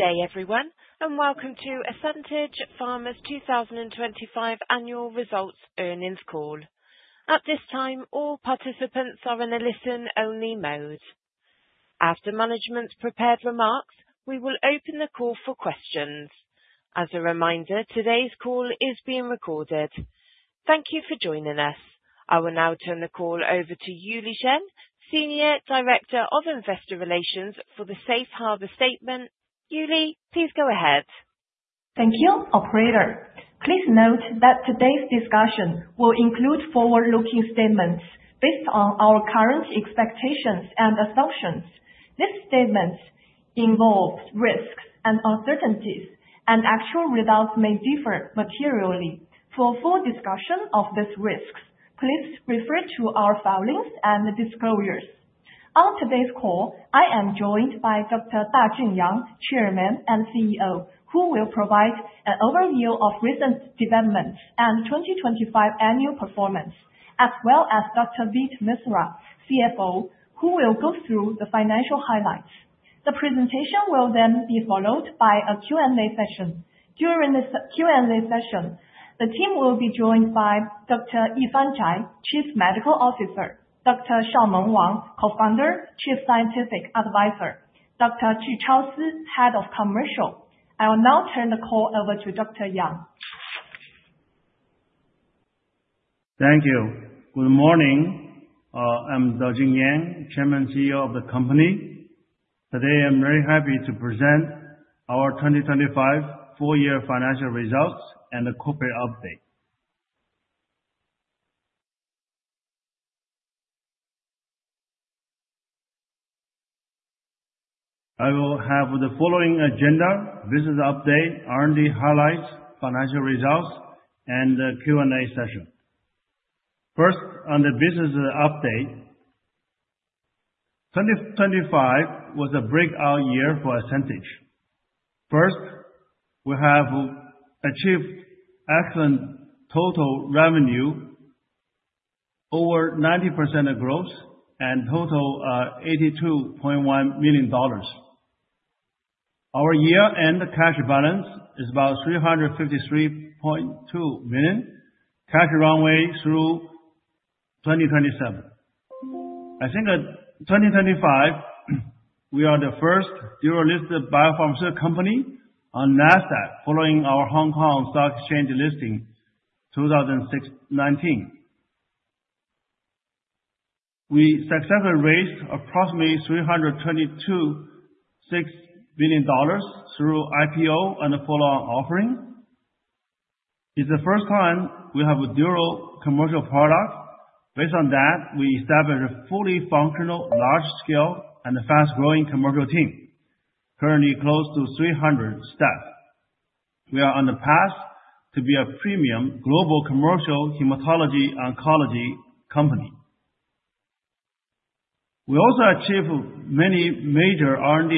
Good day everyone, and welcome to Ascentage Pharma's 2025 annual results earnings call. At this time, all participants are in a listen-only mode. After management's prepared remarks, we will open the call for questions. As a reminder, today's call is being recorded. Thank you for joining us. I will now turn the call over to Yiyi Shen, Senior Director of Investor Relations, for the safe harbor statement. Yiyi, please go ahead. Thank you, operator. Please note that today's discussion will include forward-looking statements based on our current expectations and assumptions. These statements involve risks and uncertainties, and actual results may differ materially. For a full discussion of these risks, please refer to our filings and disclosures. On today's call, I am joined by Dr. Dajun Yang, Chairman and CEO, who will provide an overview of recent developments and 2025 annual performance, as well as Dr. Veet Misra, CFO, who will go through the financial highlights. The presentation will then be followed by a Q&A session. During the Q&A session, the team will be joined by Dr. Yifan Zhai, Chief Medical Officer, Dr. Shaomeng Wang, Co-founder, Chief Science Advisor, Dr. Zhichao Si, Head of Commercial. I will now turn the call over to Dr. Yang. Thank you. Good morning. I'm Dajun Yang, Chairman, CEO of the company. Today, I'm very happy to present our 2025 full-year financial results and the corporate update. I will have the following agenda: business update, R&D highlights, financial results, and the Q&A session. First, on the business update. 2025 was a breakout year for Ascentage. First, we have achieved excellent total revenue, over 90% of growth and $82.1 million. Our year-end cash balance is about $353.2 million, cash runway through 2027. I think that 2025, we are the first dual-listed biopharmaceutical company on Nasdaq, following our Hong Kong Stock Exchange listing 2019. We successfully raised approximately $322.6 million dollars through IPO and a follow-on offering. It's the first time we have a dual commercial product. Based on that, we established a fully functional, large-scale, and fast-growing commercial team. Currently close to 300 staff. We are on the path to be a premium global commercial hematology oncology company. We also achieved many major R&D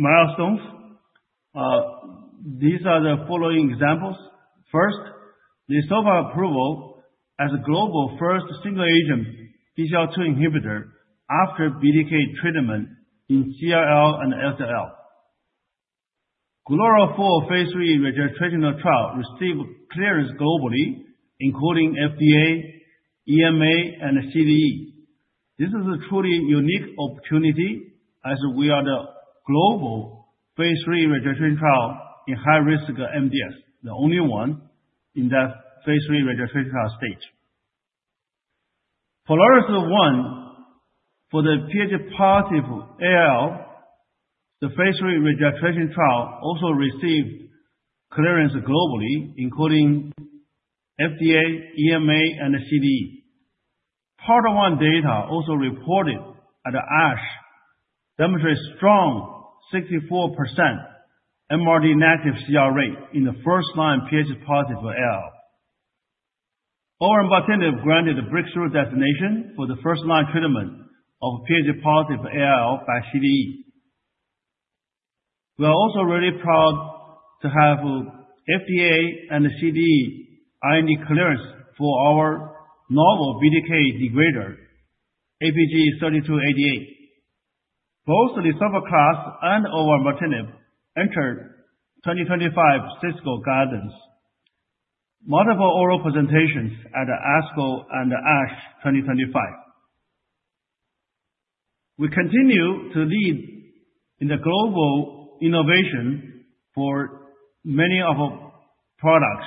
milestones. These are the following examples. First, the lisaftoclax approval as a global first single agent BCL-2 inhibitor after BTK treatment in CLL and SLL. GLORA-4 phase III registrational trial received clearance globally, including FDA, EMA and CDE. This is a truly unique opportunity as we are the global phase III registrational trial in high-risk MDS, the only one in that phase III registrational stage. POLARIS-1 for the Ph+ ALL. The phase III registration trial also received clearance globally, including FDA, EMA, and CDE. Part one data also reported at ASH, demonstrate strong 64% MRD negative CR rate in the first-line Ph+ ALL. Olverembatinib granted breakthrough designation for the first-line treatment of Ph+ ALL by CDE. We are also really proud to have FDA and CDE IND clearance for our novel BTK degrader, APG-3288. Both lisaftoclax and olverembatinib entered 2025 CSCO guidance. Multiple oral presentations at ASCO and ASH 2025. We continue to lead in the global innovation for many of our products,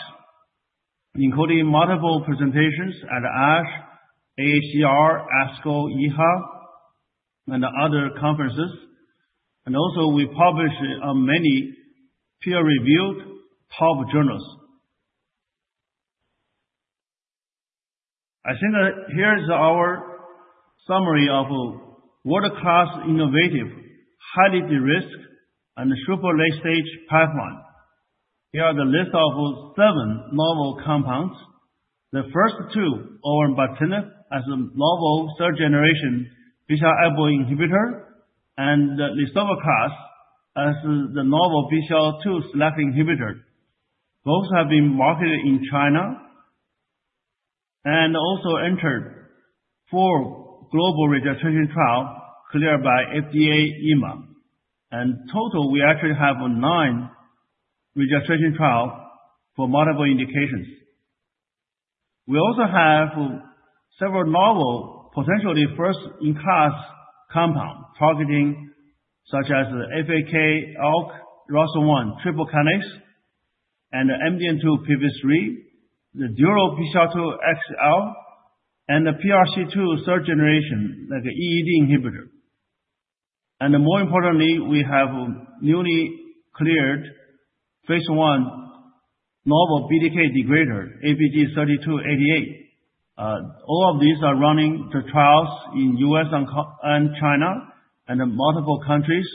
including multiple presentations at ASH, AACR, ASCO, EHA, and other conferences. Also we publish many peer-reviewed top journals. I think that here is our summary of world-class innovative, highly de-risked, and super late-stage pipeline. Here are the list of seven novel compounds. The first two, olverembatinib as a novel third generation BCR-ABL1 inhibitor and lisaftoclax as the novel BCL-2 selective inhibitor. Both have been marketed in China. Also entered four global registration trials cleared by FDA/EMA. Total, we actually have nine registration trials for multiple indications. We also have several novel, potentially first-in-class compound targeting, such as the FAK/ALK, ROS1 triple kinase, the MDM2/p53, the dual PI3K/Akt, and the PRC2 third generation EED inhibitor. More importantly, we have newly cleared phase I novel BTK degrader, APG-3288. All of these are running the trials in U.S. and China and in multiple countries.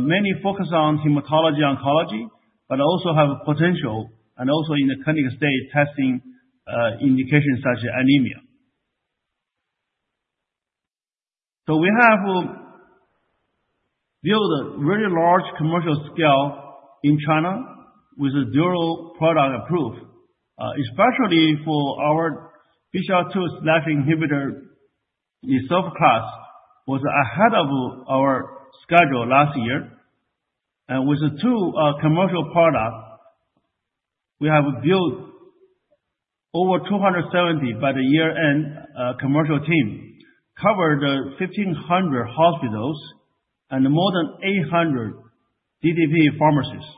Many focus on hematology oncology, but also have potential and also in the clinical stage testing indications such as anemia. We have built a very large commercial scale in China with the dual product approved, especially for our Bcl-2 inhibitor, the lisaftoclax was ahead of our schedule last year. With the two commercial products, we have built over 270, by the year-end, commercial team. Covered 1,500 hospitals and more than 800 DTP pharmacies.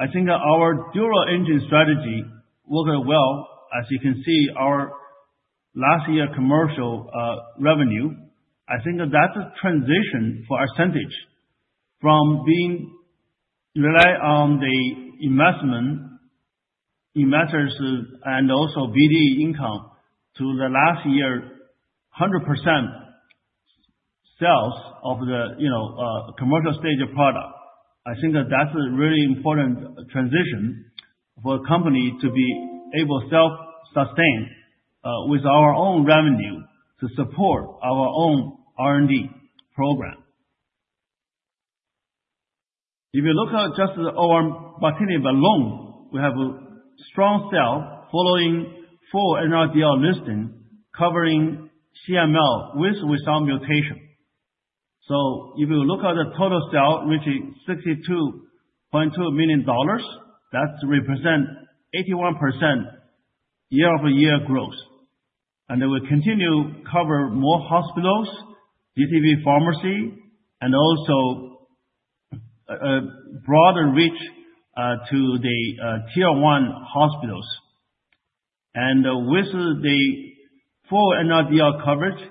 Our dual engine strategy worked well. As you can see, our last year commercial revenue, that's a transition for Ascentage from relying on the investment in medicines and also BD income to the last year, 100% sales of the commercial stage of product. That's a really important transition for a company to be able to self-sustained with our own revenue to support our own R&D program. If you look at just our olverembatinib alone, we have a strong sell following full NRDL listing covering CML with or without mutation. If you look at the total sale, which is $62.2 million, that represent 81% year-over-year growth. They will continue to cover more hospitals, DTP pharmacies, and also a broader reach to the tier 1 hospitals. With the full NRDL coverage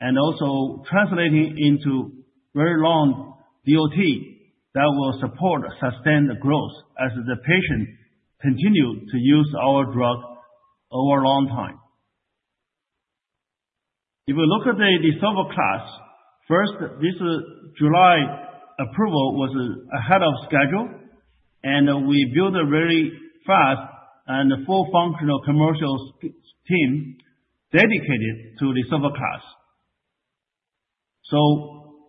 and also translating into very long DOT, that will support sustained growth as the patient continue to use our drug over a long time. If you look at the lisaftoclax, first, this July approval was ahead of schedule, we built a very fast and full functional commercial team dedicated to the lisaftoclax.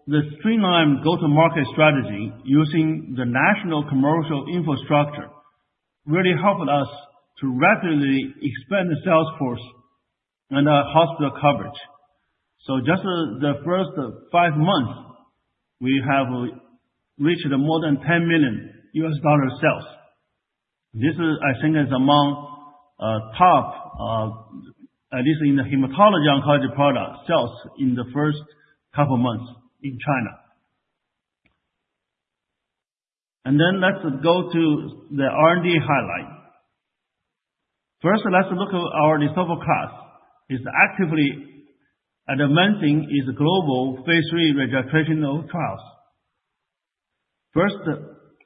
The streamlined go-to-market strategy using the national commercial infrastructure really helped us to rapidly expand the sales force and our hospital coverage. Just the first five months, we have reached more than $10 million sales. This is among top, at least in the hematology oncology product sales in the first couple of months in China. Let's go to the R&D highlight. First, let's look at our lisaftoclax. It's actively amending its global phase III registration trials.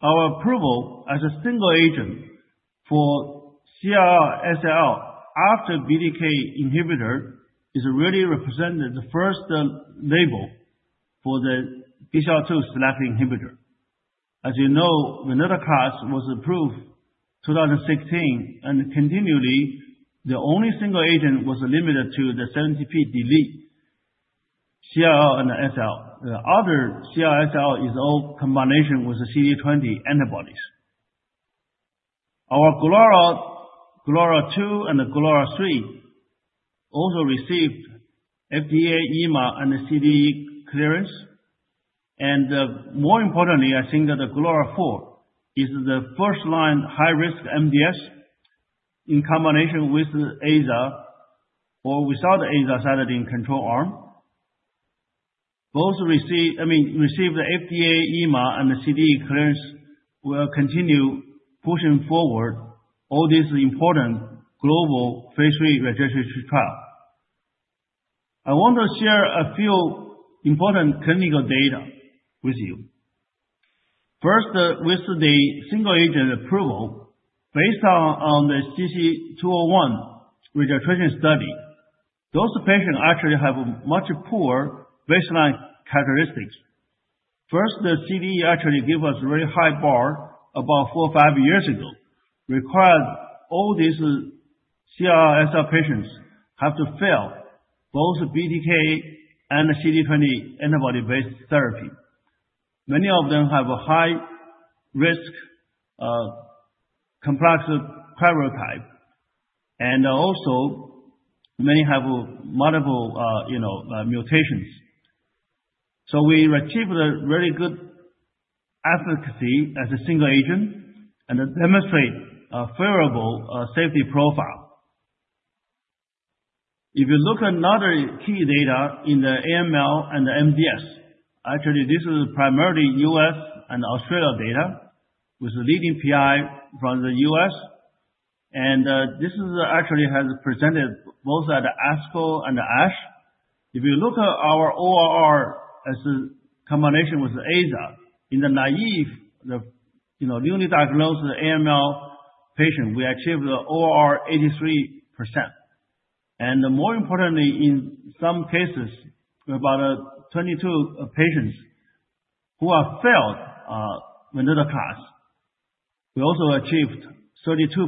Our approval as a single agent for CLL/SLL after BTK inhibitor is really represented the first label for the PI3K/Akt inhibitor. As you know, venetoclax was approved 2016 and continually, the only single agent was limited to the 17p deleted CLL and SLL. The other CLL/SLL is all combination with the CD20 antibodies. Our GLORA-2 and GLORA-3 also received FDA, EMA, and the CDE clearance. More importantly, I think that the GLORA-4 is the first-line high-risk MDS in combination with AZA or without azacitidine control arm. Both received the FDA, EMA, and the CDE clearance. We are continue pushing forward all these important global phase III registration trial. I want to share a few important clinical data with you. With the single-agent approval, based on the CC 201 registration study, those patients actually have much poor baseline characteristics. The CDE actually gave us very high bar about four or five years ago, required all these CLL/SLL patients have to fail both BTK and CD20 antibody-based therapy. Many of them have a high risk of complex karyotype, and also many have multiple mutations. We achieved a very good efficacy as a single agent and demonstrate a favorable safety profile. If you look at another key data in the AML and the MDS, actually this is primarily U.S. and Australia data with the leading PI from the U.S., and this actually has presented both at the ASCO and the ASH. If you look at our ORR as a combination with the AZA, in the naïve, the newly diagnosed AML patient, we achieved the ORR 83%. More importantly, in some cases, about 22 patients who have failed venetoclax, we also achieved 32%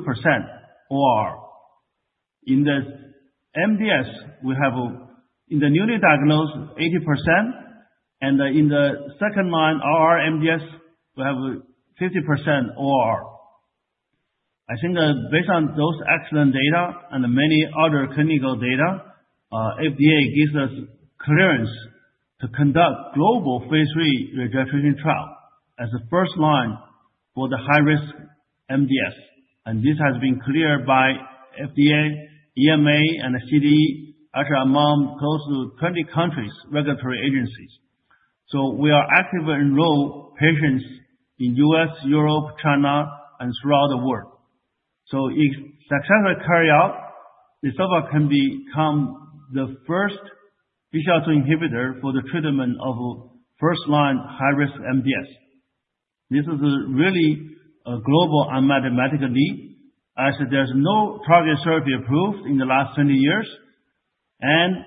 ORR. In the MDS, we have in the newly diagnosed, 80%, and in the second-line R MDS, we have 50% ORR. I think based on those excellent data and many other clinical data, FDA gives us clearance to conduct global phase III registration trial as a first-line for the high-risk MDS, and this has been cleared by FDA, EMA, and the CDE, actually, among close to 20 countries' regulatory agencies. We are actively enroll patients in U.S., Europe, China, and throughout the world. If successfully carry out, lisaftoclax can become the first BCL-2 inhibitor for the treatment of first-line high-risk MDS. This is really a global unmet medical need, as there's no targeted therapy approved in the last 20 years, and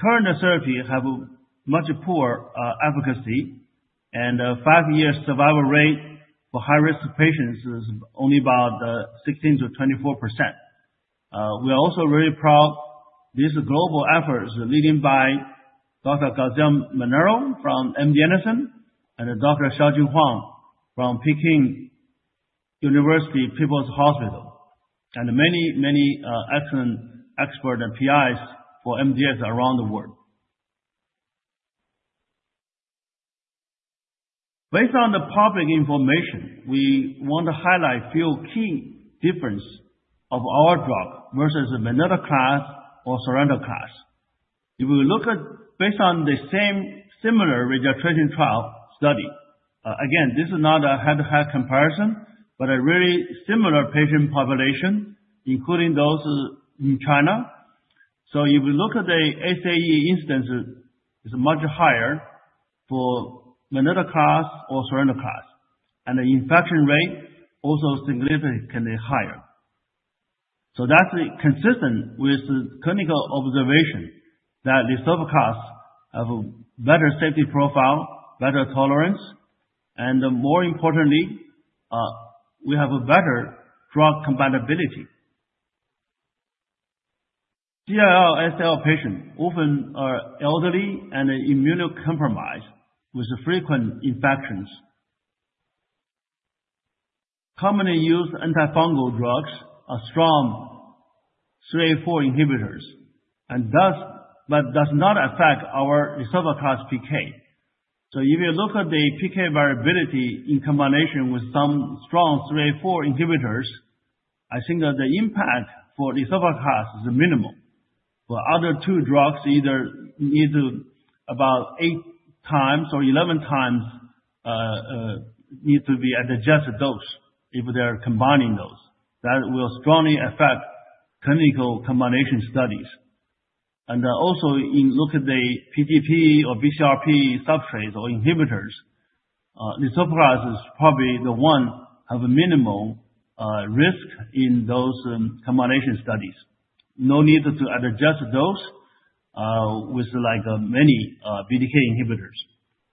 current therapy have much poor efficacy, and five-year survival rate for high-risk patients is only about 16%-24%. We are also very proud these global efforts are leading by Dr. Guillermo Garcia-Manero from MD Anderson and Dr. Xiaojun Huang from Peking University People's Hospital, and many excellent expert and PIs for MDS around the world. Based on the public information, we want to highlight few key difference of our drug versus venetoclax or sonrotoclax. If you look at based on the same similar registration trial study, again, this is not a head-to-head comparison, but a really similar patient population, including those in China. If you look at the SAE instances, it's much higher for venetoclax or sonrotoclax, and the infection rate also significantly higher. That's consistent with the clinical observation that lisaftoclax have a better safety profile, better tolerance, and more importantly, we have a better drug compatibility. CLL/SLL patient often are elderly and immunocompromised with frequent infections. Commonly used antifungal drugs are strong CYP3A4 inhibitors. Does not affect our lisaftoclax PK. If you look at the PK variability in combination with some strong CYP3A4 inhibitors, I think the impact for lisaftoclax is minimal. For other two drugs, either need to about eight times or 11 times need to be adjusted dose if they are combining those. That will strongly affect clinical combination studies. If you look at the P-gp or BCRP substrates or inhibitors, lisaftoclax is probably the one have a minimal risk in those combination studies. No need to adjust dose with many BTK inhibitors.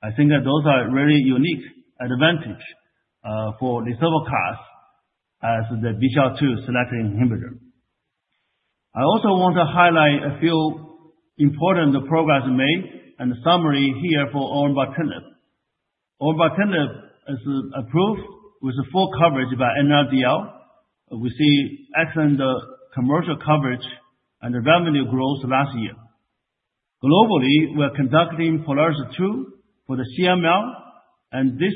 I think those are really unique advantages for lisaftoclax as the BCL-2 selective inhibitor. I also want to highlight a few important progress made and summary here for olverembatinib. Olverembatinib is approved with full coverage by NRDL. We see excellent commercial coverage and revenue growth last year. Globally, we are conducting POLARIS-2 for the CML. This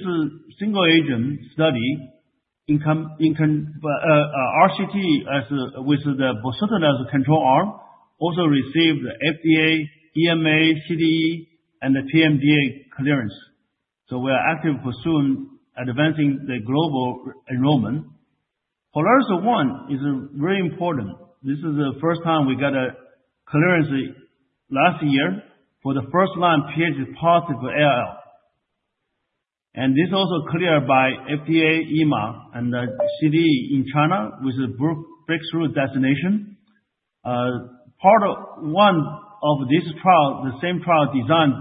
single-agent study, RCT with the bosutinib as a control arm, also received the FDA, EMA, CD, and the PMDA clearance. We are actively pursuing advancing the global enrollment. POLARIS-1 is very important. This is the first time we got a clearance last year for the first-line Ph+ ALL. This also cleared by FDA, EMA, and the CD in China with a breakthrough designation. Part 1 of this trial, the same trial design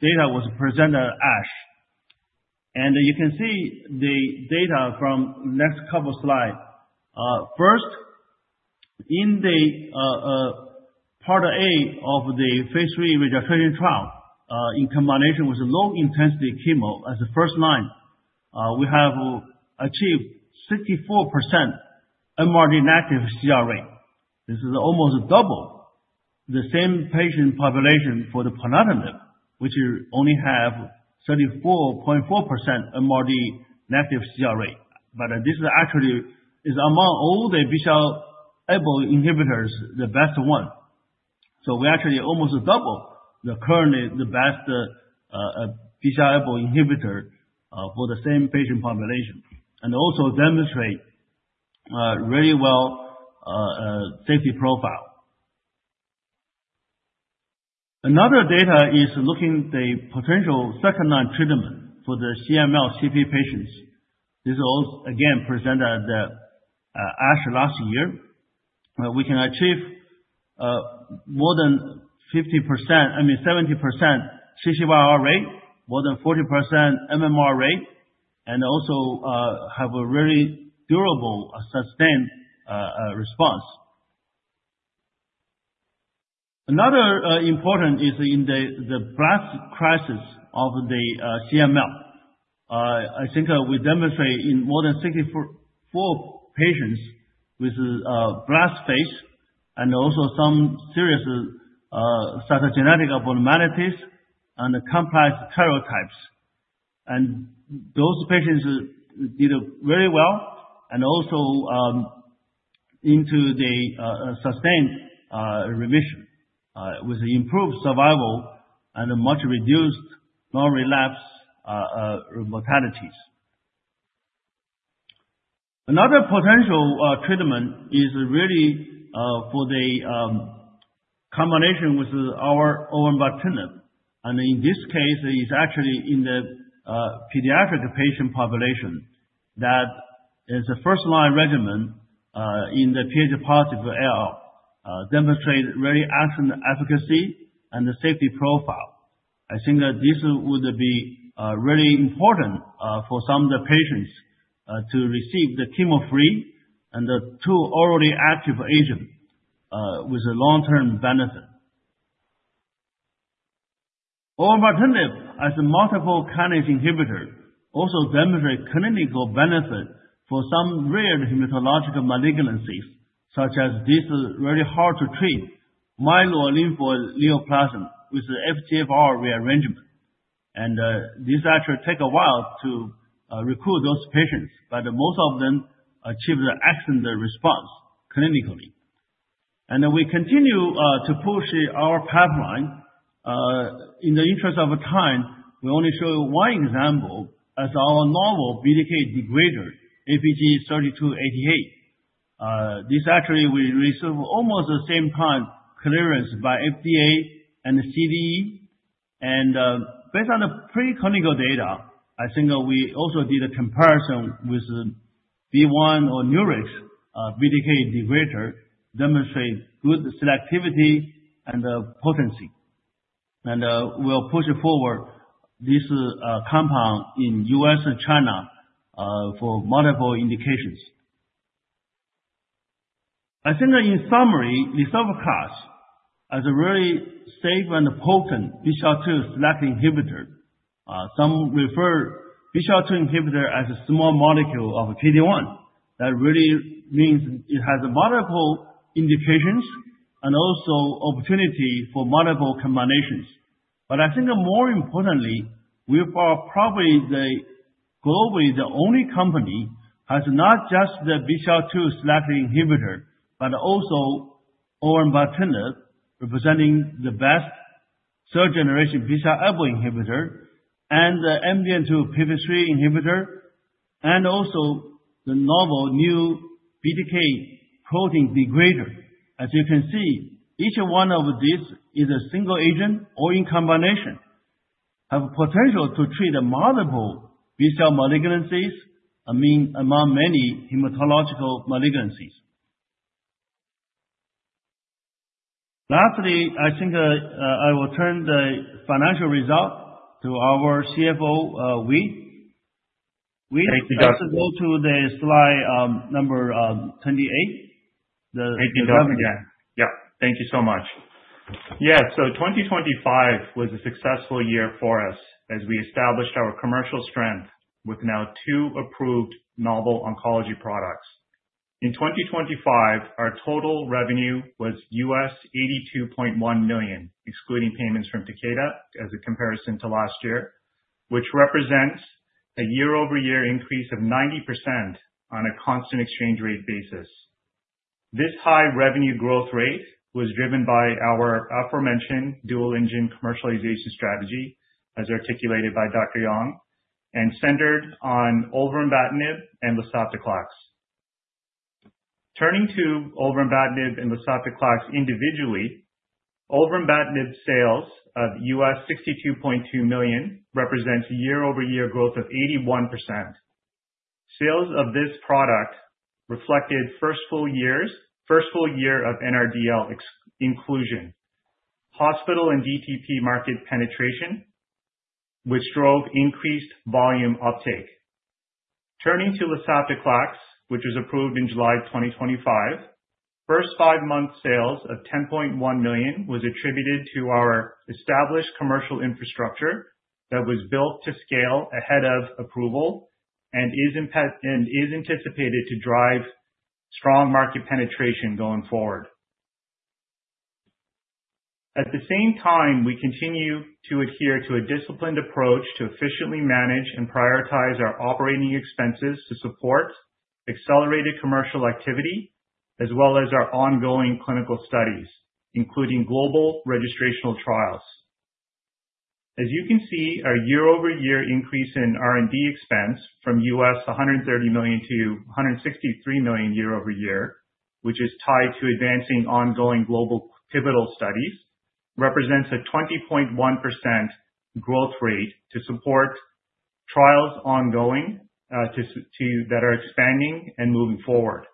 data was presented at ASH. You can see the data from next couple slide. In the part A of the phase III registration trial, in combination with low-intensity chemo as a first-line, we have achieved 64% MRD negative CR rate. This is almost double the same patient population for the ponatinib, which only have 34.4% MRD negative CR rate. This actually is among all the BCR-ABL inhibitors, the best one. We actually almost double the currently the best BCR-ABL inhibitor for the same patient population. Also demonstrate really well safety profile. Another data is looking the potential second-line treatment for the CML CP patients. This is also, again, presented at the ASH last year. We can achieve more than 50%, I mean, 70% CCyR rate, more than 40% MMR rate. Also have a really durable sustained response. Another important is in the blast crisis of the CML. I think we demonstrate in more than 64 patients with blast phase and also some serious cytogenetic abnormalities and complex karyotypes. Those patients did very well. Also into the sustained remission with improved survival and a much reduced non-relapse mortalities. Another potential treatment is really for the combination with our olverembatinib. In this case, it is actually in the pediatric patient population that is a first-line regimen in the Ph+ ALL. Demonstrate very excellent efficacy and the safety profile. I think this would be really important for some of the patients to receive the chemo-free and the two orally active agent with a long-term benefit. Olverembatinib as a multiple kinase inhibitor also demonstrate clinical benefit for some rare hematological malignancies, such as this very hard to treat myeloid or lymphoid neoplasm with FGFR rearrangement. This actually take a while to recruit those patients, but most of them achieve the excellent response clinically. We continue to push our pipeline. In the interest of time, we only show you one example as our novel BTK degrader, APG-3288. This actually we receive almost the same time clearance by FDA and the CDE. Based on the preclinical data, I think we also did a comparison with BeiGene or Nurix Therapeutics BTK degrader demonstrate good selectivity and potency. We'll push forward this compound in U.S. and China for multiple indications. I think that in summary, lisaftoclax as a very safe and potent BCL-2 selective inhibitor. Some refer BCL-2 inhibitor as a small molecule of PD-1. That really means it has multiple indications and also opportunity for multiple combinations. I think more importantly, we are probably the, globally, the only company has not just the BCL-2 selective inhibitor, but also olverembatinib, representing the best third generation BCR-ABL inhibitor and the MDM2-p53 inhibitor, and also the novel new BTK protein degrader. As you can see, each one of these is a single agent or in combination, have potential to treat multiple B-cell malignancies, among many hematological malignancies. Lastly, I think I will turn the financial result to our CFO, Veet. Veet- Thank you, Dr. Yang. Let's go to the slide number 28. The revenue. Thank you, Dr. Yang. Thank you so much. Yeah. 2025 was a successful year for us as we established our commercial strength with now two approved novel oncology products. In 2025, our total revenue was US $82.1 million, excluding payments from Takeda as a comparison to last year, which represents a year-over-year increase of 90% on a constant exchange rate basis. This high revenue growth rate was driven by our aforementioned dual engine commercialization strategy as articulated by Dr. Yang, and centered on olverembatinib and lisaftoclax. Turning to olverembatinib and lisaftoclax individually, olverembatinib sales of US $62.2 million represents a year-over-year growth of 81%. Sales of this product reflected first full year of NRDL inclusion, hospital and DTP market penetration, which drove increased volume uptake. Turning to lisaftoclax, which was approved in July 2025. First five months sales of $10.1 million was attributed to our established commercial infrastructure that was built to scale ahead of approval and is anticipated to drive strong market penetration going forward. At the same time, we continue to adhere to a disciplined approach to efficiently manage and prioritize our operating expenses to support accelerated commercial activity as well as our ongoing clinical studies, including global registrational trials. As you can see, our year-over-year increase in R&D expense from US $130 million to $163 million year-over-year, which is tied to advancing ongoing global pivotal studies, represents a 20.1% growth rate to support trials ongoing that are expanding and moving forward.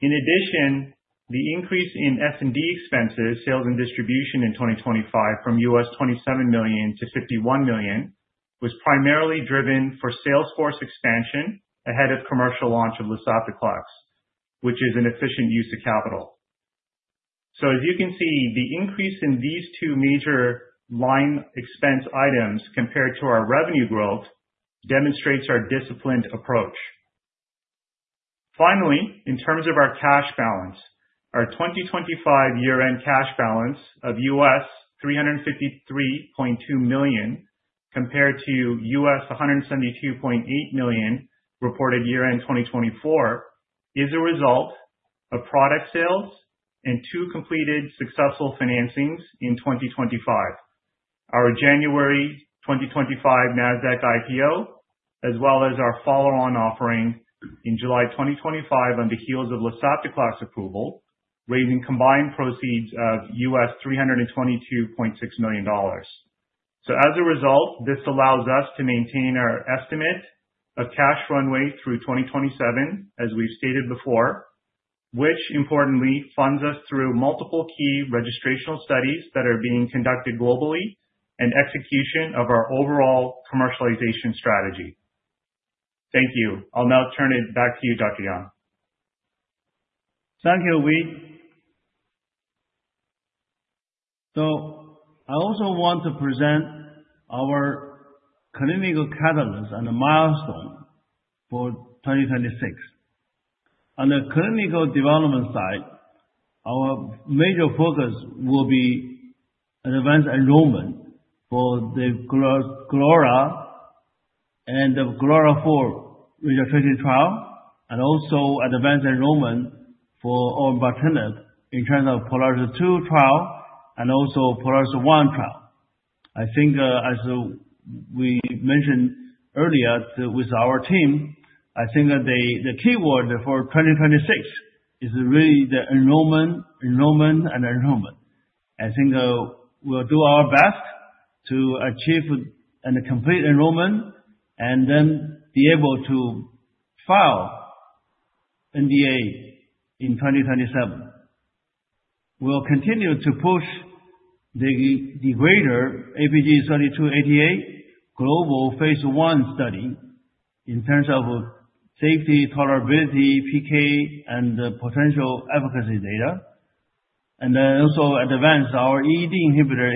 In addition, the increase in S&D expenses, sales and distribution in 2025 from US $27 million to $51 million, was primarily driven for sales force expansion ahead of commercial launch of lisaftoclax, which is an efficient use of capital. As you can see, the increase in these two major line expense items compared to our revenue growth demonstrates our disciplined approach. Finally, in terms of our cash balance, our 2025 year-end cash balance of US $353.2 million, compared to US $172.8 million reported year-end 2024, is a result of product sales and two completed successful financings in 2025. Our January 2025 Nasdaq IPO, as well as our follow-on offering in July 2025 on the heels of lisaftoclax approval, raising combined proceeds of US $322.6 million. As a result, this allows us to maintain our estimate of cash runway through 2027, as we've stated before, which importantly funds us through multiple key registrational studies that are being conducted globally and execution of our overall commercialization strategy. Thank you. I'll now turn it back to you, Dr. Yang. Thank you, Veet. I also want to present our clinical catalysts and the milestone for 2026. On the clinical development side, our major focus will be advanced enrollment for the GLORA and the GLORA-4 registrational trial, and also advanced enrollment for olverembatinib in terms of POLARIS-2 trial and also POLARIS-1 trial. As we mentioned earlier with our team, the key word for 2026 is really the enrollment, and enrollment. We'll do our best to achieve and complete enrollment and then be able to file NDA in 2027. We'll continue to push the degrader APG-3288 global phase I study in terms of safety, tolerability, PK, and potential efficacy data. Also advance our EED inhibitor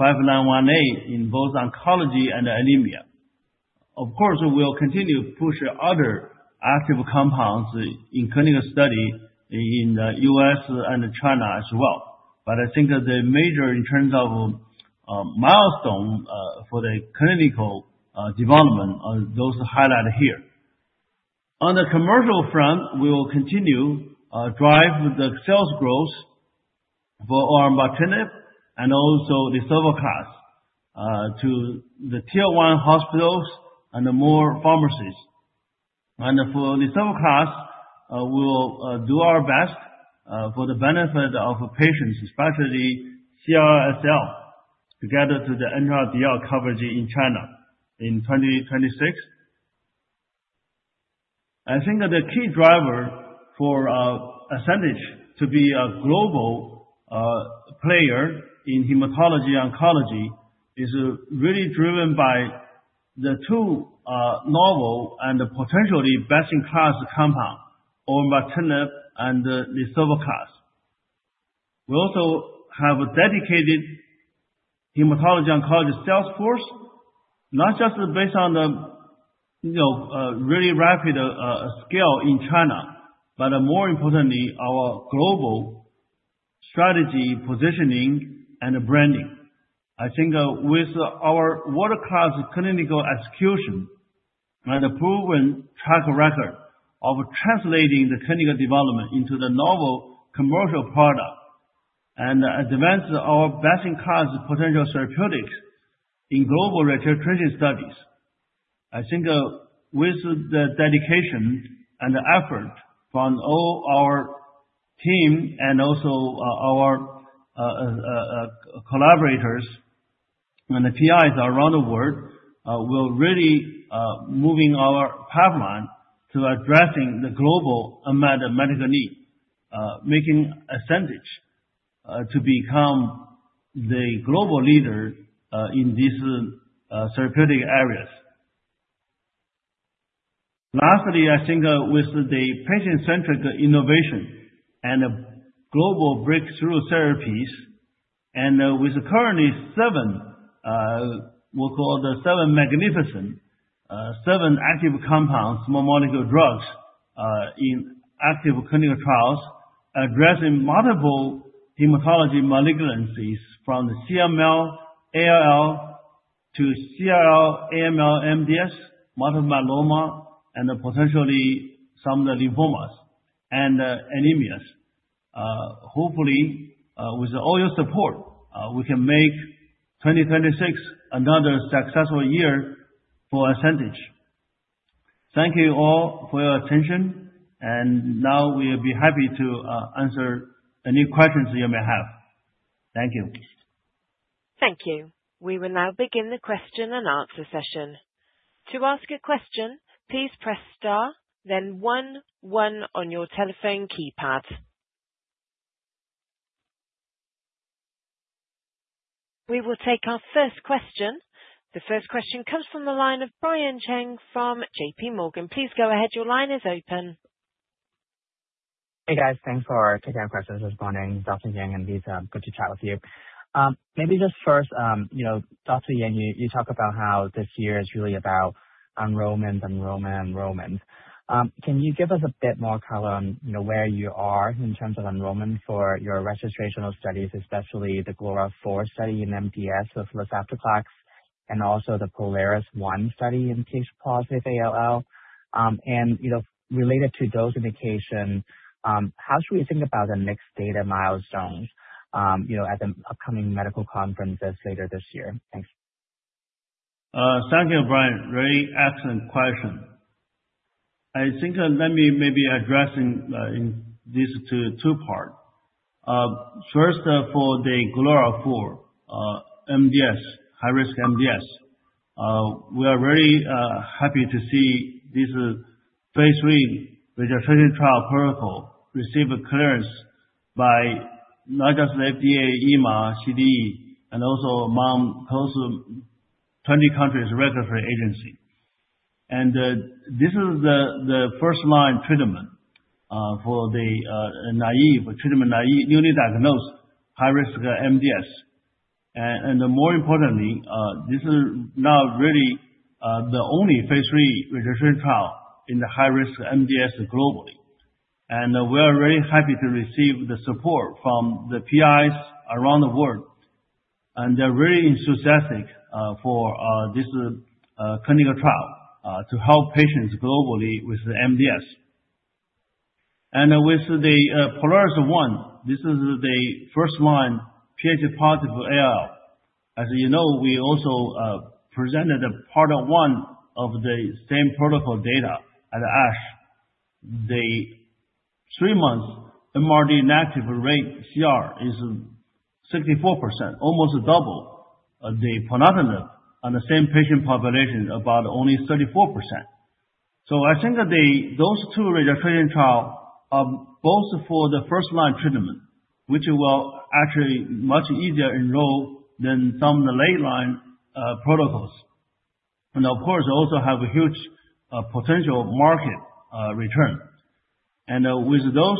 APG-5918 in both oncology and anemia. Of course, we'll continue to push other active compounds in clinical study in the U.S. and China as well. I think that the major in terms of milestone for the clinical development are those highlighted here. On the commercial front, we will continue drive the sales growth for olverembatinib and also the lisaftoclax to the tier 1 hospitals and more pharmacies. For lisaftoclax, we'll do our best for the benefit of patients, especially CLL/SLL, to gather to the NRDL coverage in China in 2026. The key driver for Ascentage to be a global player in hematology oncology is really driven by the two novel and potentially best-in-class compound, olverembatinib and lisaftoclax. We also have a dedicated hematology oncology sales force, not just based on the really rapid scale in China, but more importantly, our global strategy positioning and branding. With our world-class clinical execution and a proven track record of translating the clinical development into the novel commercial product and advance our best-in-class potential therapeutics in global registration studies. With the dedication and the effort from all our team and also our collaborators and the PIs around the world, we're really moving our pipeline to addressing the global unmet medical need, making Ascentage to become the global leader in these therapeutic areas. Lastly, with the patient-centric innovation and global breakthrough therapies, and with currently seven, we call the seven magnificent, seven active compounds, small molecule drugs in active clinical trials addressing multiple hematology malignancies from the CML, ALL to CLL, AML, MDS, multiple myeloma, and potentially some of the lymphomas and anemias. Hopefully, with all your support, we can make 2026 another successful year for Ascentage. Thank you all for your attention. Now we'll be happy to answer any questions you may have. Thank you. Thank you. We will now begin the question and answer session. To ask a question, please press star then 11 on your telephone keypad. We will take our first question. The first question comes from the line of Brian Cheng from J.P. Morgan. Please go ahead. Your line is open. Hey, guys. Thanks for taking our questions this morning. Brian Cheng and Veet Misra, good to chat with you. First, Dr. Yang, you talk about how this year is really about enrollments. Can you give us a bit more color on where you are in terms of enrollment for your registrational studies, especially the GLORA-4 study in MDS with lisaftoclax, and also the POLARIS-1 study in Ph+ ALL, and related to dose indication, how should we think about the next data milestones at the upcoming medical conferences later this year? Thanks. Thank you, Brian. Really excellent question. Let me address in these two parts. First, for the GLORA-4 MDS, high-risk MDS. We are very happy to see this phase III registration trial protocol receive clearance by not just FDA, EMA, CDE, and also among close to 20 countries regulatory agency. This is the first-line treatment for the treatment-naive, newly diagnosed high-risk MDS. More importantly, this is now really the only phase III registration trial in the high-risk MDS globally. We are very happy to receive the support from the PIs around the world. They are very enthusiastic for this clinical trial to help patients globally with the MDS. With the POLARIS-1, this is the first-line Ph+ ALL. As you know, we also presented a part one of the same protocol data at ASH. The three months MRD negative rate CR is 64%, almost double the ponatinib on the same patient population, about only 34%. Those two registration trials, both for the first-line treatment, which will actually much easier enroll than some of the late-line protocols. Of course, also have a huge potential market return. With those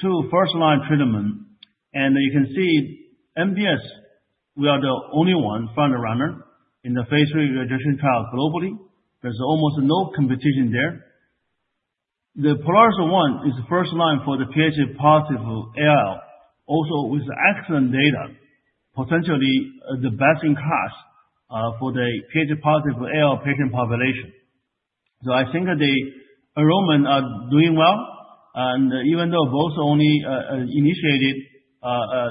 two first-line treatments, you can see MDS, we are the only front runner in the phase III registration trial globally. There is almost no competition there. The POLARIS-1 is first-line for the Ph+ ALL, also with excellent data, potentially the best in class for the Ph+ ALL patient population. The enrollment is doing well, even though both only initiated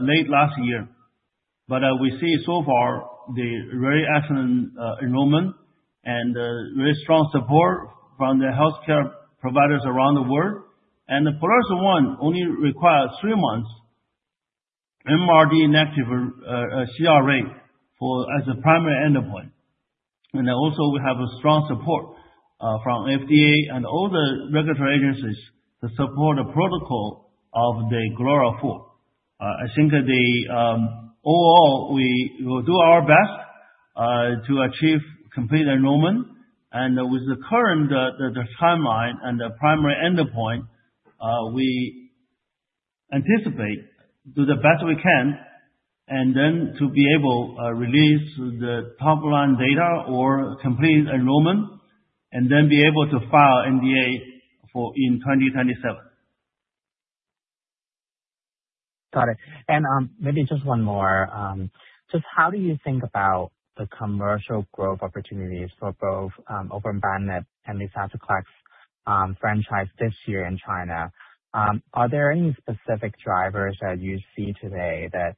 late last year. We see so far the very excellent enrollment and very strong support from the healthcare providers around the world. The POLARIS-1 only requires three months MRD negative CR rate as a primary endpoint. Also, we have strong support from FDA and all the regulatory agencies to support the protocol of the GLORA-4. Overall, we will do our best to achieve complete enrollment. With the current timeline and the primary endpoint, we anticipate doing the best we can, to be able to release the top-line data or complete enrollment, and to be able to file NDA in 2027. Got it. Maybe just one more. Just how do you think about the commercial growth opportunities for both olverembatinib and lisaftoclax franchise this year in China? Are there any specific drivers that you see today that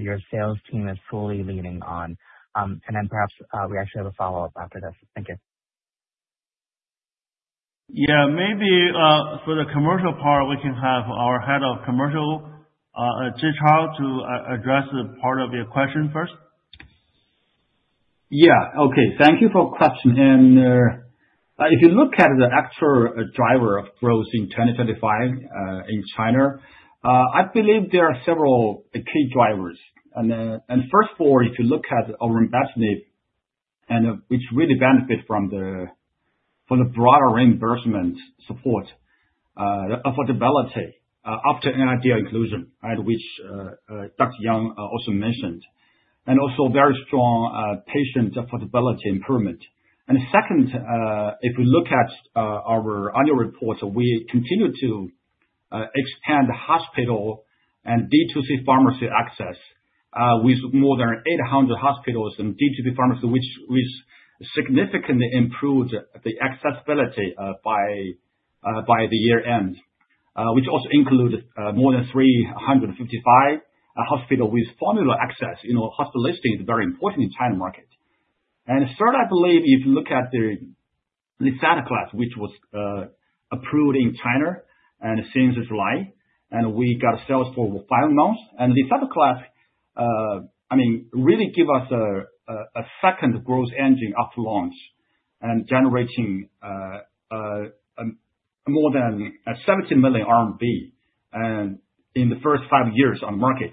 your sales team is fully leaning on? Then perhaps we actually have a follow-up after this. Thank you. Yeah, maybe for the commercial part, we can have our Head of Commercial, Zhichao Si, to address the part of your question first. Yeah. Okay. Thank you for your question. If you look at the actual driver of growth in 2025 in China, I believe there are several key drivers. First of all, if you look at our olverembatinib, which really benefit from the broader reimbursement support affordability after NRDL inclusion, which Dr. Yang also mentioned, also very strong patient affordability improvement. Second, if we look at our annual reports, we continue to expand hospital and DTP pharmacy access, with more than 800 hospitals and DTP pharmacy, which significantly improved the accessibility by the year-end, which also included more than 355 hospitals with formulary access. Hospital listing is very important in China market. Third, I believe if you look at the lisaftoclax, which was approved in China since July, we got sales for five months. Lisaftoclax really give us a second growth engine after launch, generating more than 17 million RMB in the first five months on market.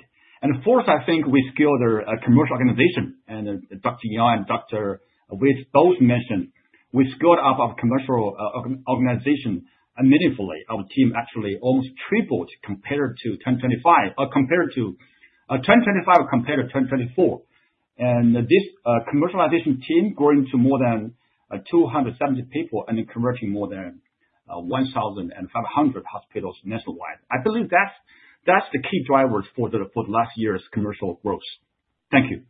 Fourth, I think we scaled our commercial organization. Dr. Yang and Dr. Veet both mentioned we scaled up our commercial organization meaningfully. Our team actually almost tripled compared to 2025 compared to 2024. This commercialization team growing to more than 270 people and converting more than 1,500 hospitals nationwide. I believe that's the key drivers for last year's commercial growth. Thank you.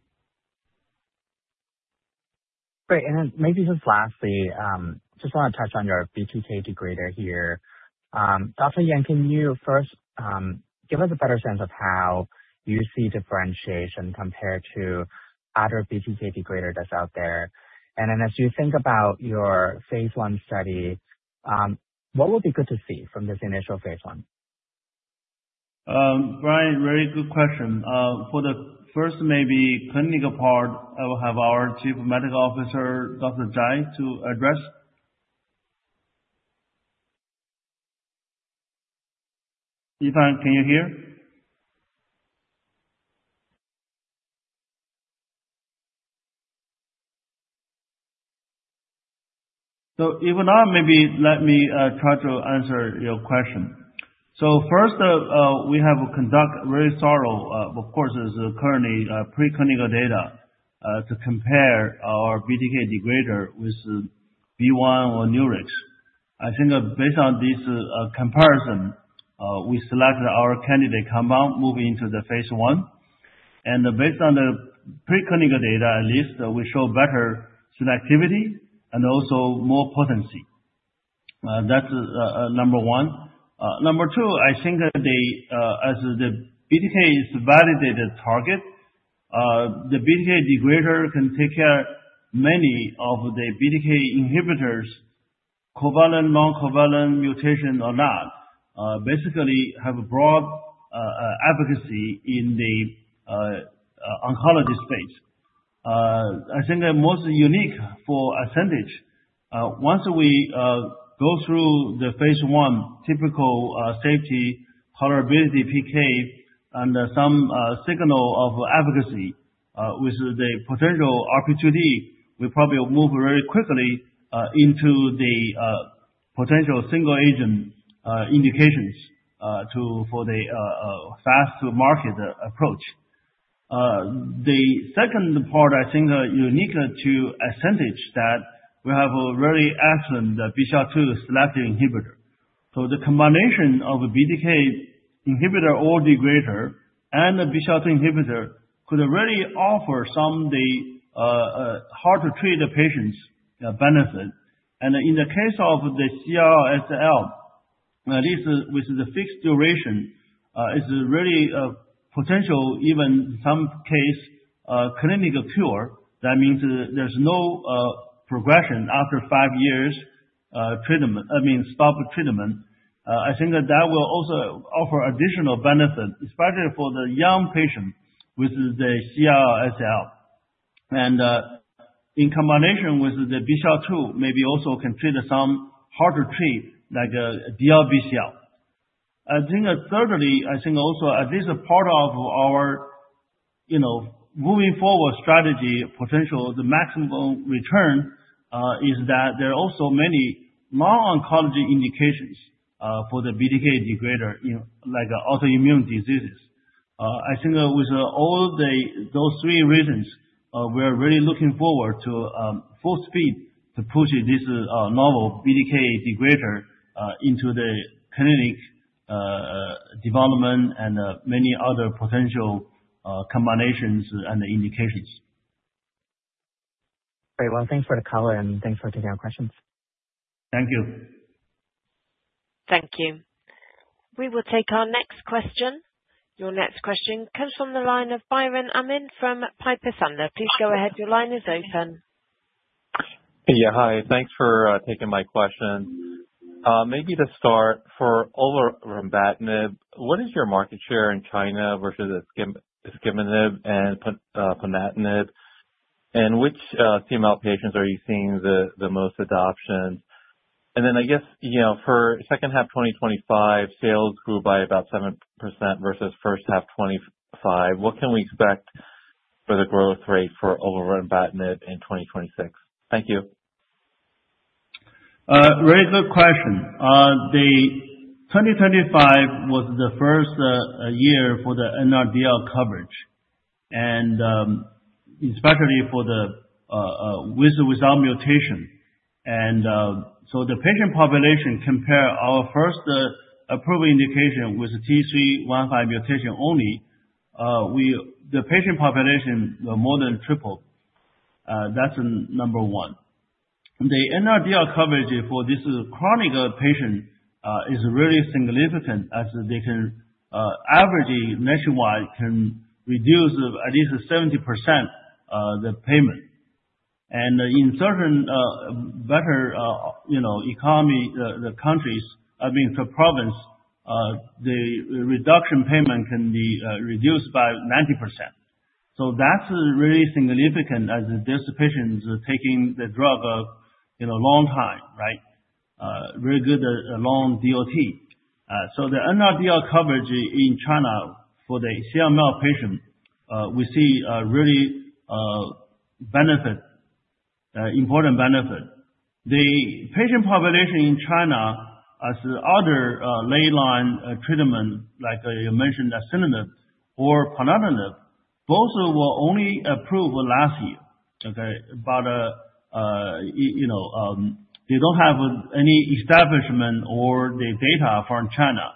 Great. Maybe just lastly, just want to touch on your BTK degrader here. Dr. Yang, can you first give us a better sense of how you see differentiation compared to other BTK degrader that's out there? As you think about your phase I study, what would be good to see from this initial phase I? Brian, very good question. For the first maybe clinical part, I will have our Chief Medical Officer, Dr. Zhai, to address. Yifan, can you hear? If not, maybe let me try to answer your question. First, we have conduct very thorough, of course, is currently preclinical data, to compare our BTK degrader with V1 or Nurix. Based on this comparison, we selected our candidate compound moving into the phase I. Based on the preclinical data, at least we show better selectivity and also more potency. That's number one. Number two, I think that as the BTK is validated target, the BTK degrader can take care many of the BTK inhibitors, covalent, non-covalent, mutation or not, basically have a broad efficacy in the oncology space. I think the most unique for Ascentage, once we go through the phase I typical safety tolerability PK and some signal of efficacy, with the potential RP2D, we probably move very quickly into the potential single agent indications for the fast to market approach. The second part, I think unique to Ascentage that we have a very excellent BCL-2 selective inhibitor. The combination of a BTK inhibitor or degrader and a BCL-2 inhibitor could really offer some the hard to treat patients benefit. In the case of the CLL/SLL, at least with the fixed duration, is really a potential, even some case, clinical cure. That means there's no progression after 5 years treatment-- I mean stop treatment. I think that will also offer additional benefit, especially for the young patient with the CLL/SLL. In combination with the BCL-2, maybe also can treat some hard to treat like DLBCL. Thirdly, I think also this part of our moving forward strategy potential, the maximum return, is that there are also many non-oncology indications for the BTK degrader, like autoimmune diseases. With those three reasons, we are really looking forward to full speed to push this novel BTK degrader into the clinic development and many other potential combinations and indications. Great. Well, thanks for the color, thanks for taking our questions. Thank you. Thank you. We will take our next question. Your next question comes from the line of Biren Amin from Piper Sandler. Please go ahead. Your line is open. Yeah, hi. Thanks for taking my question. Maybe to start, for olverembatinib, what is your market share in China versus asciminib and ponatinib? In which CML patients are you seeing the most adoption? Then I guess, for second half 2025, sales grew by about 7% versus first half 2025. What can we expect for the growth rate for olverembatinib in 2026? Thank you. Very good question. 2025 was the first year for the NRDL coverage, especially with or without mutation. The patient population compare our first approved indication with T315 mutation only, the patient population more than tripled. That's number one. The NRDL coverage for this chronic patient is really significant as they can, average nationwide, can reduce at least 70% the payment. In certain better economies, the countries, I mean, for province, the reduction payment can be reduced by 90%. That's really significant as these patients are taking the drug a long time, right? Really good long DOT. The NRDL coverage in China for the CML patient, we see a really important benefit. The patient population in China as other lay line treatment, like you mentioned, asciminib or ponatinib, both were only approved last year. Okay? They don't have any establishment or the data from China.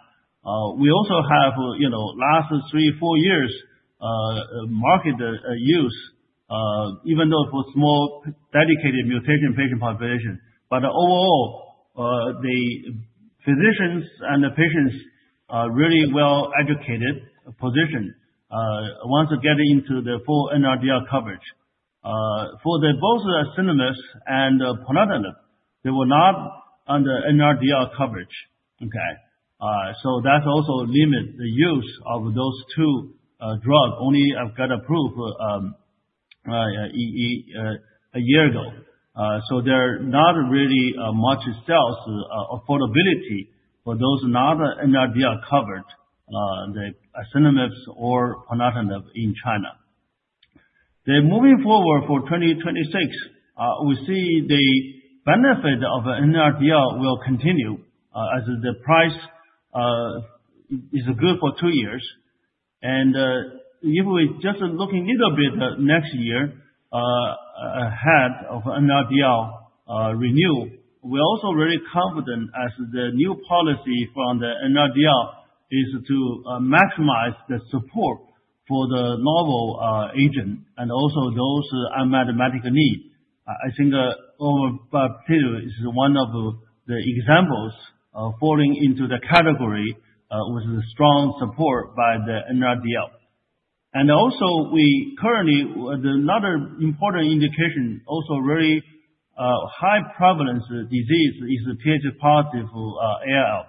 We also have, last three, four years, market use, even though for small dedicated mutation patient population. Overall, the physicians and the patients are really well-educated, positioned, once you get into the full NRDL coverage. For both asciminib and ponatinib, they were not under NRDL coverage. Okay? That also limits the use of those two drugs, only got approved a year ago. They're not really much sales affordability for those not NRDL covered, the asciminib or ponatinib in China. Moving forward for 2026, we see the benefit of NRDL will continue as the price is good for two years. Even with just looking a little bit next year ahead of NRDL renewal, we're also very confident as the new policy from the NRDL is to maximize the support for the novel agent and also those unmet medical need. I think olverembatinib is one of the examples of falling into the category with strong support by the NRDL. We currently, another important indication, also very high prevalence disease, is the Ph+ ALL.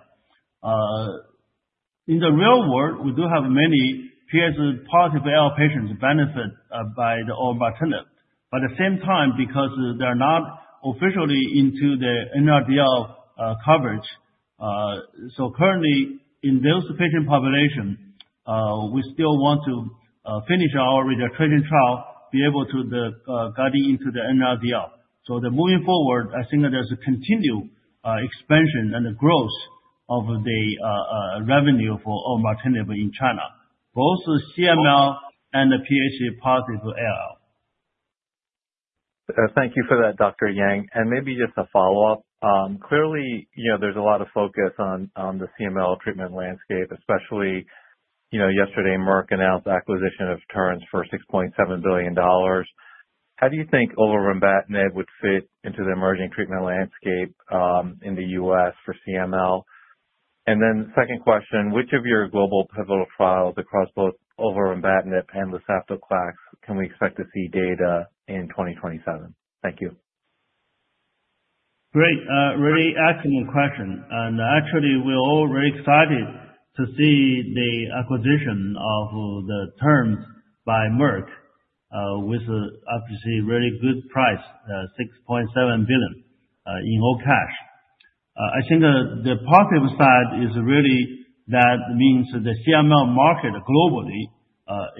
In the real world, we do have many Ph+ ALL patients benefit by the olverembatinib. At the same time, because they're not officially into the NRDL coverage, currently in this patient population, we still want to finish our registration trial, be able to guide into the NRDL. Moving forward, I think there's a continued expansion and growth of the revenue for olverembatinib in China, both the CML and the Ph+ ALL. Thank you for that, Dr. Yang. Maybe just a follow-up. Clearly, there's a lot of focus on the CML treatment landscape, especially yesterday, Merck announced acquisition of Terns for RMB 6.7 billion. How do you think olverembatinib would fit into the emerging treatment landscape in the U.S. for CML? Second question, which of your global pivotal files across both olverembatinib and lisaftoclax can we expect to see data in 2027? Thank you. Great. Really excellent question. Actually, we're all very excited to see the acquisition of the Terns by Merck, with obviously a really good price, 6.7 billion in all cash. I think the positive side is really that means the CML market globally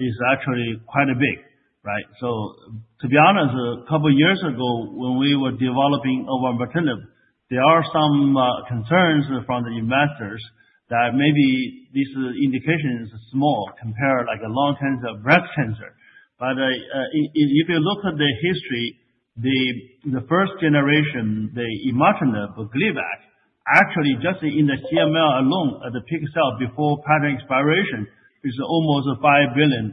is actually quite big, right? To be honest, a couple of years ago when we were developing olverembatinib, there are some concerns from the investors that maybe this indication is small compared to lung cancer, breast cancer. If you look at the history, the first generation, the imatinib or Gleevec, actually just in the CML alone, the peak sale before patent expiration is almost 5 billion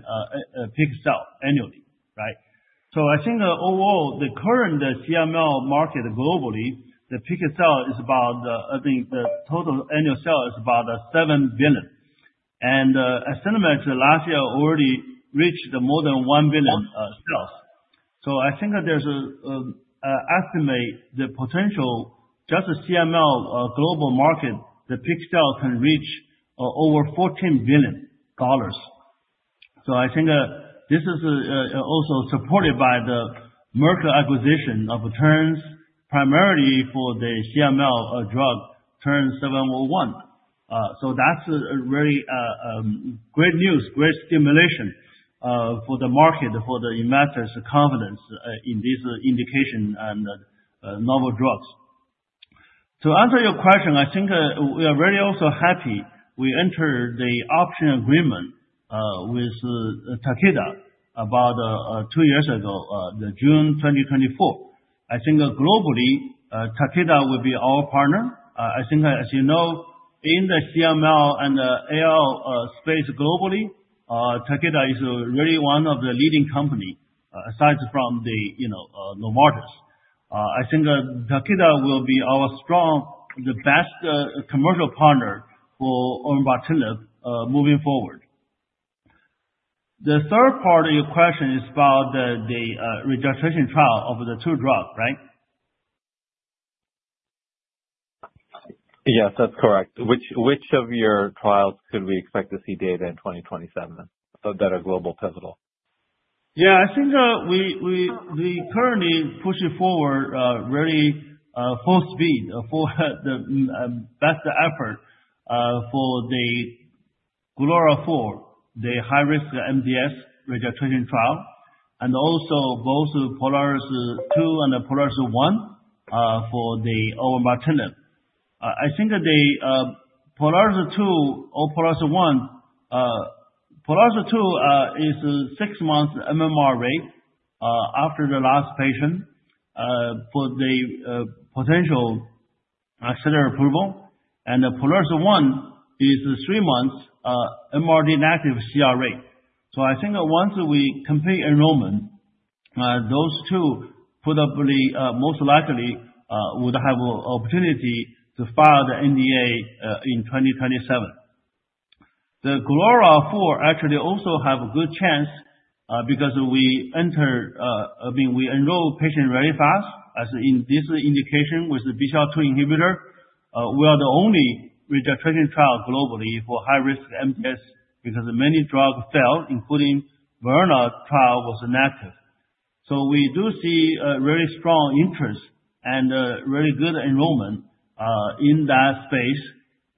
peak sale annually, right? I think overall, the current CML market globally, the peak sale is about, I think the total annual sale is about 7 billion. asciminib last year already reached more than 1 billion sales. I think that there's an estimate the potential, just CML global market, that ponatinib can reach over RMB 14 billion. I think that this is also supported by the Merck acquisition of Terns, primarily for the CML drug TERN-701. That's very great news, great stimulation for the market, for the investors confidence in this indication and novel drugs. To answer your question, I think we are very also happy we entered the option agreement with Takeda about two years ago, the June 2024. I think globally, Takeda will be our partner. I think as you know, in the CML and the ALL space globally, Takeda is really one of the leading company aside from Novartis. I think Takeda will be our strong, the best commercial partner for olverembatinib moving forward. The third part of your question is about the registration trial of the two drugs, right? Yes, that's correct. Which of your trials could we expect to see data in 2027 that are global pivotal? Yeah, I think we currently pushing forward very full speed for the best effort for the GLORA-4, the higher-risk MDS registration trial, and also both POLARIS-2 and POLARIS-1 for the olverembatinib. I think that the POLARIS-2 or POLARIS-1, POLARIS-2 is 6 months MMR rate after the last patient, for the potential accelerated approval, and POLARIS-1 is three months MRD negative CR rate. I think that once we complete enrollment, those two probably, most likely would have an opportunity to file the NDA in 2027. The GLORA-4 actually also have a good chance because we enroll patient very fast, as in this indication with the BCL-2 inhibitor. We are the only registration trial globally for higher-risk MDS because many drugs fail, including VERONA trial was negative. We do see a very strong interest and a really good enrollment in that space.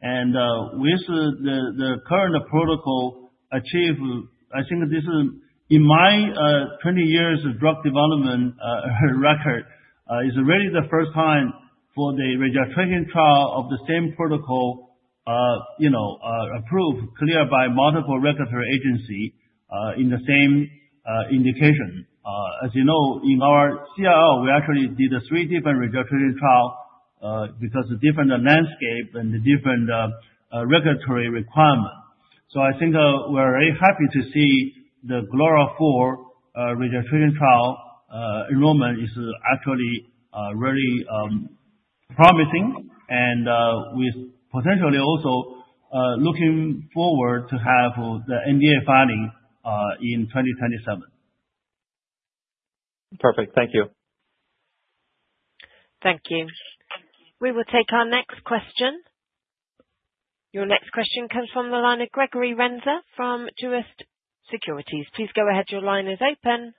With the current protocol achieved, I think this is, in my 20 years of drug development record, is really the first time for the registration trial of the same protocol approved, cleared by multiple regulatory agency in the same indication. As you know, in our CRO, we actually did three different registration trial, because the different landscape and the different regulatory requirement. I think we're very happy to see the GLORA-4 registration trial enrollment is actually really promising and with potentially also looking forward to have the NDA filing in 2027. Perfect. Thank you. Thank you. We will take our next question. Your next question comes from the line of Gregory Renza from Truist Securities. Please go ahead. Your line is open.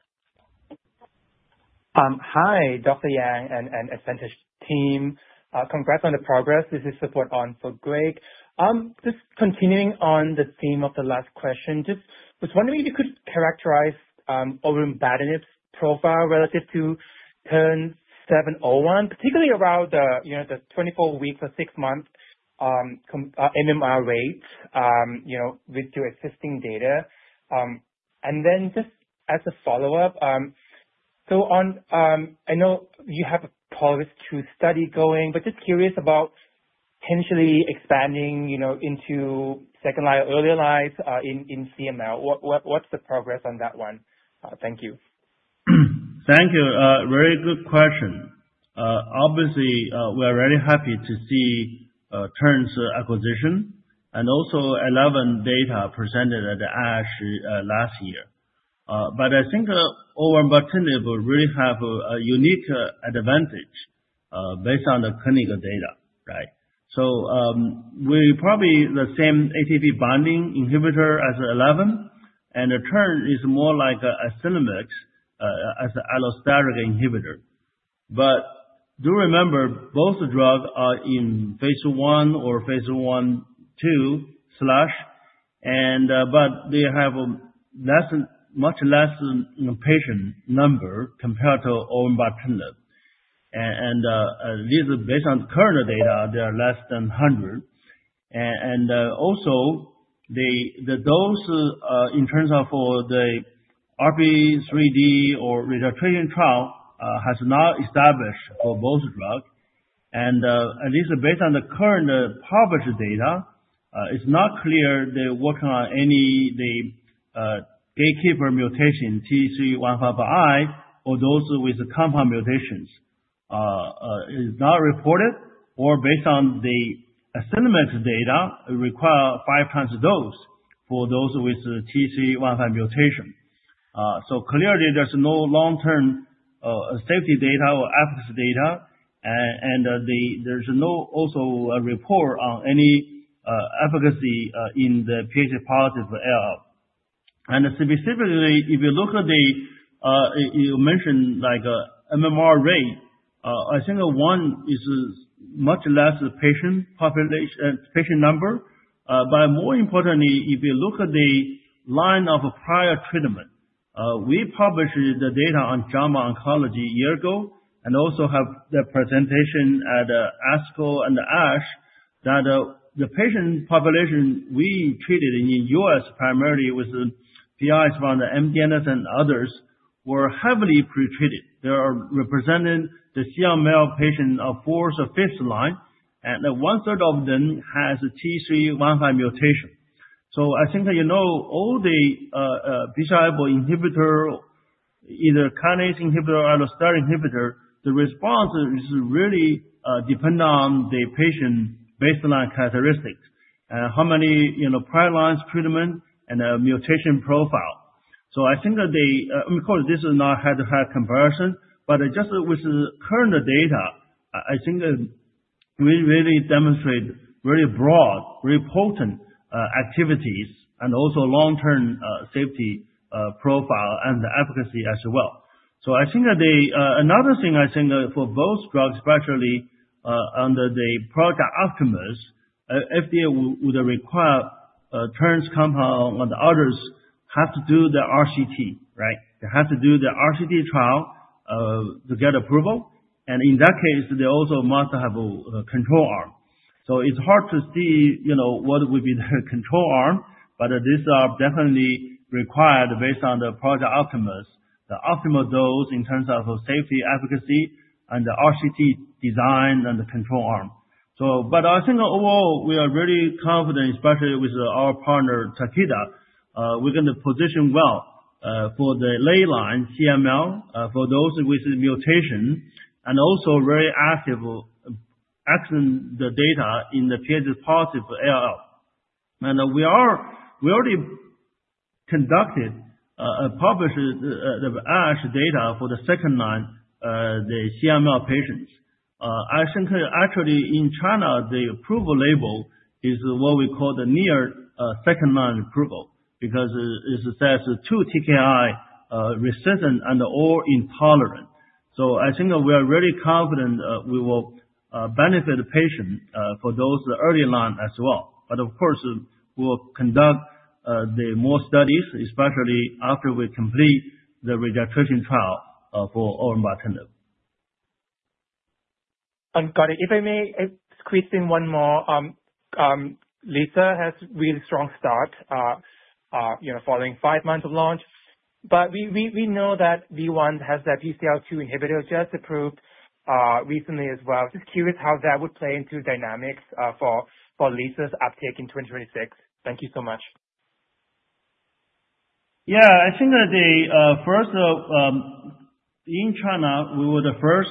Hi, Dr. Yang and Ascentage team. Congrats on the progress. This is support on for Greg. Continuing on the theme of the last question, was wondering if you could characterize olverembatinib's profile relative to TERN-701, particularly around the 24-week or six-month MMR rate with your existing data. As a follow-up, I know you have a POLARIS-2 study going, but curious about potentially expanding into second line, earlier lines in CML. What's the progress on that one? Thank you. Thank you. Very good question. Obviously, we're very happy to see Terns' acquisition and also Eleven data presented at the ASH last year. I think olverembatinib will really have a unique advantage based on the clinical data, right? We probably the same ATP binding inhibitor as Eleven, and Terns is more like asciminib as allosteric inhibitor. Do remember, both drugs are in phase I or phase I/II, but they have much less patient number compared to olverembatinib. This is based on current data, they are less than 100. Also the dose, in terms of for the RP2D or registration trial, has not established for both drugs. This is based on the current published data, it's not clear they're working on any, the gatekeeper mutation T315I or those with compound mutations, is not reported or based on the assessment data, it require five times dose for those with T315I mutation. Clearly there's no long-term safety data or efficacy data and there's no also report on any efficacy in the Ph+ ALL. Specifically, if you look at the, you mentioned like MMR rate, I think one is much less patient number. More importantly, if you look at the line of prior treatment, we published the data on JAMA Oncology a year ago and also have the presentation at ASCO and ASH, that the patient population we treated in U.S. primarily with the PI, MDS and others, were heavily pretreated. They are representing the CML patient of fourth or fifth line, and one third of them has a T315I mutation. I think that you know all the BCR-ABL inhibitor, either kinase inhibitor or allosteric inhibitor, the response is really dependent on the patient baseline characteristics and how many prior lines treatment and mutation profile. I think that of course, this is not head-to-head comparison, just with current data, I think that we really demonstrate very broad, very potent activities and also long-term safety profile and efficacy as well. Another thing I think for both drugs, especially under the Project Optimus, FDA would require Terns' compound or the others have to do the RCT, right? They have to do the RCT trial to get approval. In that case, they also must have a control arm. It's hard to see what would be the control arm, but these are definitely required based on the Project Optimus. The Optimus dose in terms of safety, efficacy and the RCT design and the control arm. I think overall we are really confident, especially with our partner, Takeda, we're going to position well for the early-line CML, for those with mutation and also very active action the data in the Ph+ ALL. We already conducted, published the ASH data for the second-line CML patients. I think actually in China, the approval label is what we call the near second-line approval because it says 2 TKI resistant and or intolerant. I think we are very confident we will benefit the patient, for those early-line as well. Of course, we'll conduct more studies, especially after we complete the registration trial for olverembatinib. Got it. If I may squeeze in one more. Lisa has really strong start following 5 months of launch. We know that ViiV has their BCL-2 inhibitor just approved recently as well. Just curious how that would play into dynamics for Lisa's uptake in 2026. Thank you so much. I think that in China, we were the first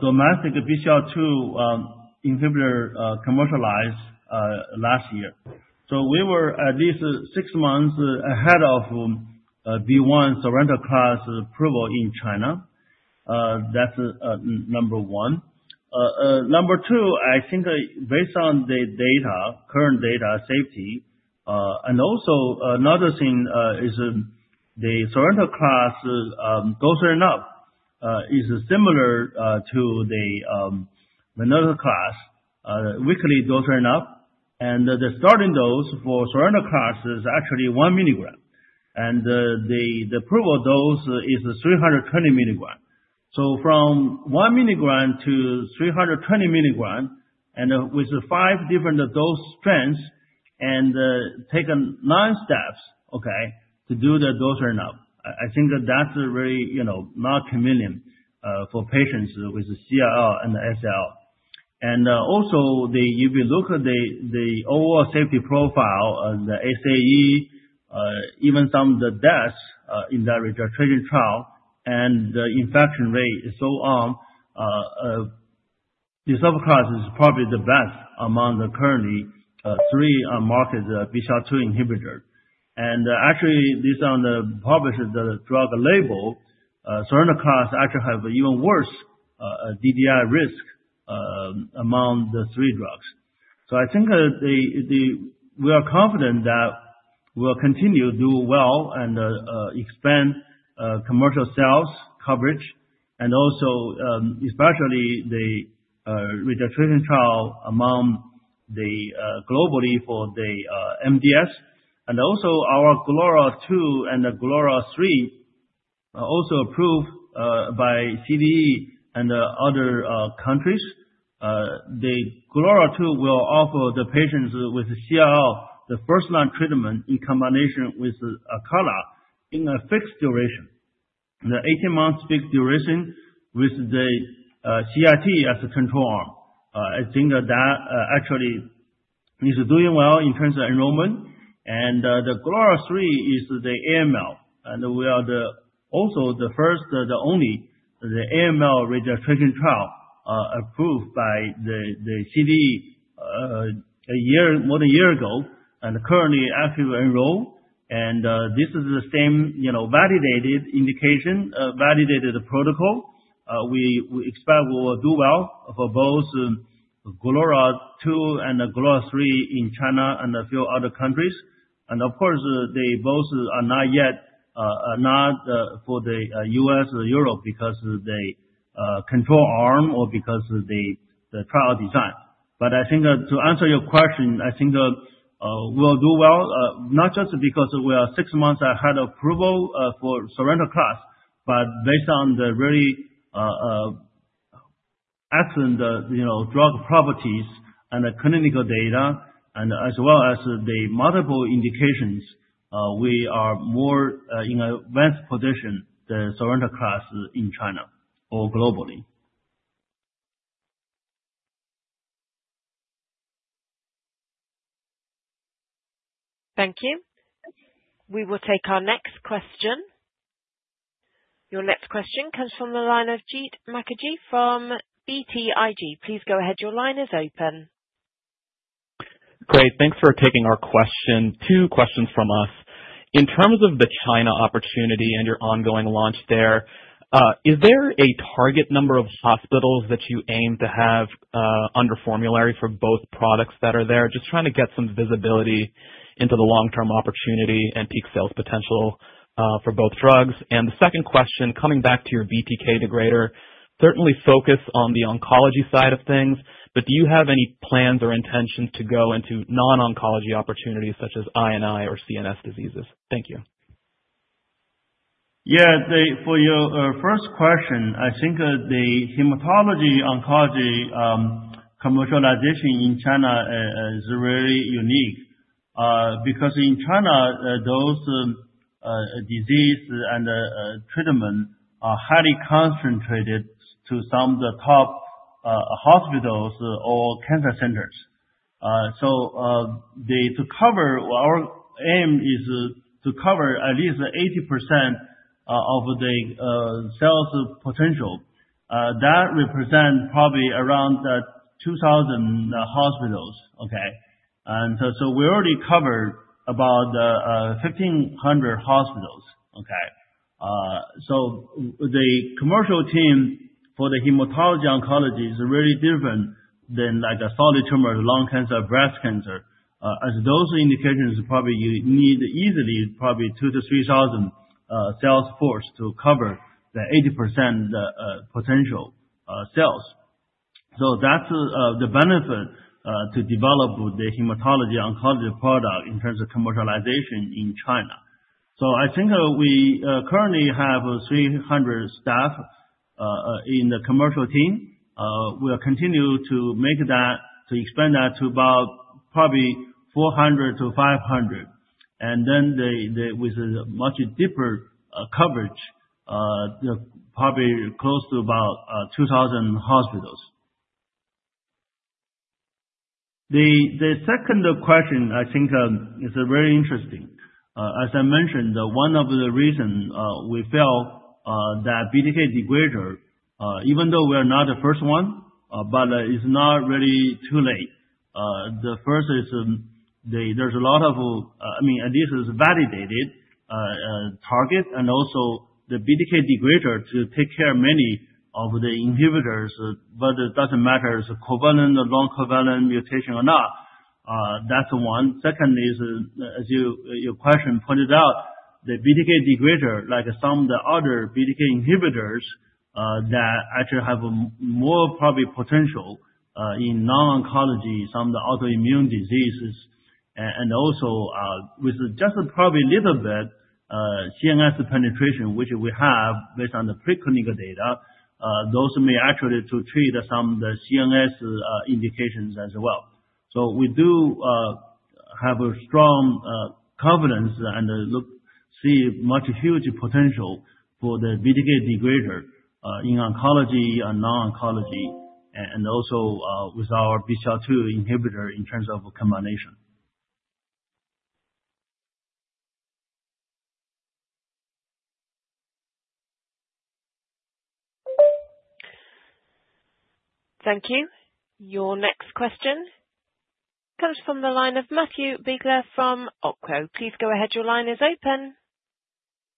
domestic BCL-2 inhibitor commercialized last year. We were at least 6 months ahead of ViiV's sonrotoclax approval in China. That's number 1. Number 2, I think based on the current data, safety, and also another thing is the sonrotoclax dosering-up, is similar to another class, weekly dosering-up. The starting dose for sonrotoclax is actually 1 milligram. The approval dose is 320 milligram. From 1 milligram to 320 milligram, and with the 5 different dose strengths and taken 9 steps, okay, to do the dosering-up. I think that's very not convenient for patients with CLL and SLL. If you look at the overall safety profile of the SAE, even some of the deaths in that registration trial and the infection rate and so on, this other class is probably the best among the currently three market BCL-2 inhibitor. Actually, based on the published drug label, certain class actually have even worse DDI risk among the three drugs. I think that we are confident that we will continue to do well and expand commercial sales coverage and also especially the registration trial among the globally for the MDS. Also, our GLORA-2 and the GLORA-3 are also approved by CDE and other countries. The GLORA-2 will offer the patients with CLL the first-line treatment in combination with a color in a fixed duration. The 18-month fixed duration with the CIT as a control arm. I think that actually It's doing well in terms of enrollment. The GLORA-3 is the AML, and we are also the first, the only, the AML registration trial approved by the CDE more than a year ago, and currently actively enrolling. This is the same validated indication, validated protocol. We expect we will do well for both GLORA-2 and GLORA-3 in China and a few other countries. Of course, they both are not yet for the U.S. or Europe because of the control arm or because of the trial design. I think to answer your question, I think we will do well, not just because we are 6 months ahead approval for sonrotoclax, but based on the very excellent drug properties and the clinical data as well as the multiple indications, we are more in advanced position than sonrotoclax in China or globally. Thank you. We will take our next question. Your next question comes from the line of Justin Zelin from BTIG. Please go ahead. Your line is open. Great. Thanks for taking our question. 2 questions from us. In terms of the China opportunity and your ongoing launch there, is there a target number of hospitals that you aim to have under formulary for both products that are there? Just trying to get some visibility into the long-term opportunity and peak sales potential for both drugs. The second question, coming back to your BTK degrader, certainly focus on the oncology side of things, but do you have any plans or intentions to go into non-oncology opportunities such as autoimmune or CNS diseases? Thank you. For your first question, I think the hematology-oncology commercialization in China is really unique, because in China, those disease and treatment are highly concentrated to some of the top hospitals or cancer centers. To cover, our aim is to cover at least 80% of the sales potential. That represents probably around 2,000 hospitals. We already covered about 1,500 hospitals. The commercial team for the hematology-oncology is really different than like a solid tumor, lung cancer, breast cancer, as those indications probably you need easily probably 2,000 to 3,000 sales force to cover the 80% potential sales. That's the benefit to develop the hematology-oncology product in terms of commercialization in China. I think we currently have 300 staff in the commercial team. We'll continue to expand that to about probably 400 to 500. With a much deeper coverage, probably close to about 2,000 hospitals. The second question I think is very interesting. As I mentioned, one of the reasons we felt that BTK degrader, even though we are not the first one, but it's not really too late. First is there's a lot of— I mean, this is validated target and also the BTK degrader to take care of many of the inhibitors, but it doesn't matter if it's a covalent or non-covalent mutation or not. That's one. Second is, as your question pointed out, the BTK degrader, like some of the other BTK inhibitors that actually have more probably potential in non-oncology, some of the autoimmune diseases, and also with just probably a little bit CNS penetration, which we have based on the preclinical data, those may actually to treat some of the CNS indications as well. We do have a strong confidence and see much huge potential for the BTK degrader in oncology and non-oncology, and also with our BCL-2 inhibitor in terms of combination. Thank you. Your next question comes from the line of Matthew Biegler from Oppenheimer. Please go ahead. Your line is open.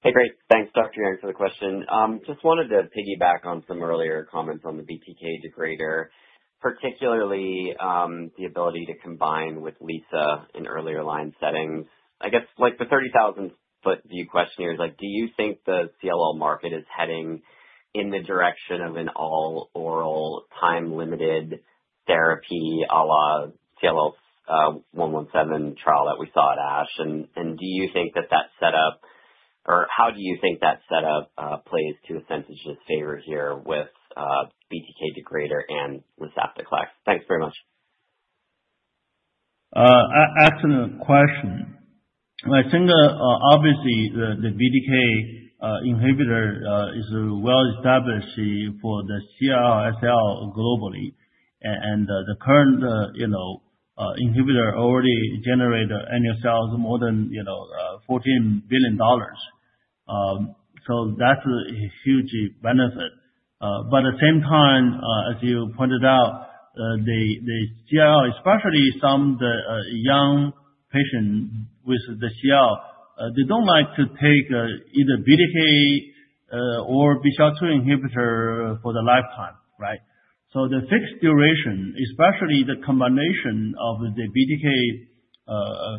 Hey, great. Thanks, Dr. Yang for the question. Just wanted to piggyback on some earlier comments on the BTK degrader, particularly the ability to combine with Lisa in earlier line settings. I guess, like the 30,000-foot view question here is, do you think the CLL market is heading in the direction of an all-oral time-limited therapy, à la CLL17 trial that we saw at Ash? Do you think that that set up or how do you think that set up plays to Ascentage's favor here with BTK degrader and with? Thanks very much. Excellent question. I think obviously the BTK inhibitor is well established for the CLL/SLL globally. The current inhibitor already generate annual sales more than $14 billion. That's a huge benefit. At the same time, as you pointed out, the CLL, especially some young patients with the CLL, they don't like to take either BTK or BCL-2 inhibitor for the lifetime, right? The fixed duration, especially the combination of the BTK,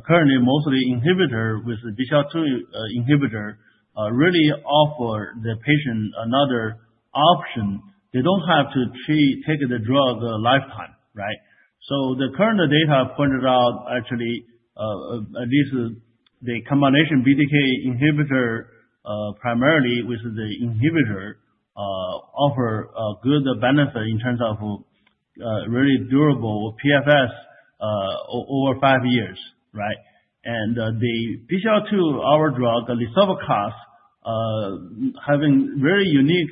currently mostly inhibitors with the BCL-2 inhibitor, really offer the patients another option. They don't have to take the drug a lifetime, right? The current data pointed out actually, at least the combination of BTK inhibitors, primarily with the inhibitor, offer a good benefit in terms of really durable PFS over five years, right? The BCL-2, our drug, the lisaftoclax, has a very unique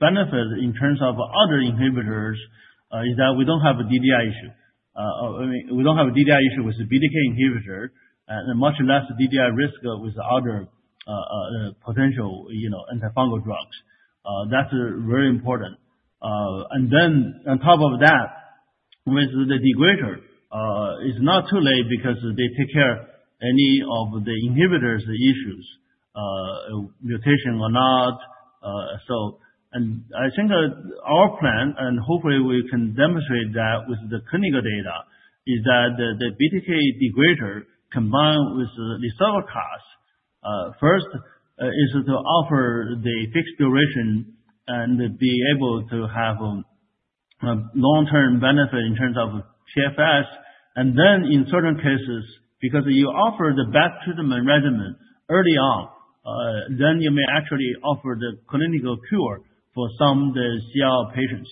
benefit in terms of other inhibitors, is that we don't have a DDI issue. We don't have a DDI issue with the BTK inhibitor, and much less DDI risk with other potential antifungal drugs. That's very important. On top of that, with the degrader, it's not too late because they take care of any of the inhibitors' issues, mutation or not. I think our plan, and hopefully we can demonstrate that with the clinical data, is that the BTK degrader combined with lisaftoclax first, is to offer the fixed duration and be able to have long-term benefit in terms of PFS, and then In certain cases, because you offer the best treatment regimen early on, you may actually offer the clinical cure for some of the CLL patients.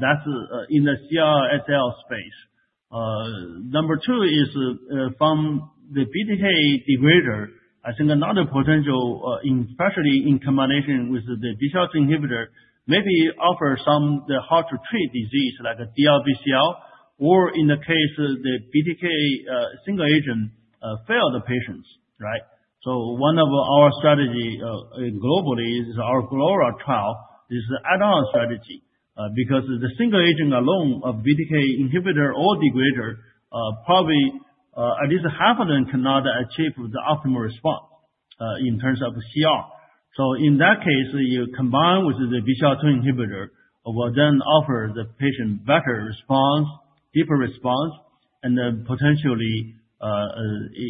That's in the CLL/SLL space. Number two, from the BTK degrader, I think another potential, especially in combination with the BTK inhibitor, may offer some hard-to-treat disease like DLBCL or in the case of BTK single agent failed patients, right? One of our strategies globally is our GLORA trial add-on strategy. The single agent alone of BTK inhibitor or degrader probably at least half of them cannot achieve the optimal response in terms of CLL. In that case, you combine with the BCL-2 inhibitor then offer the patients better response, deeper response, and potentially,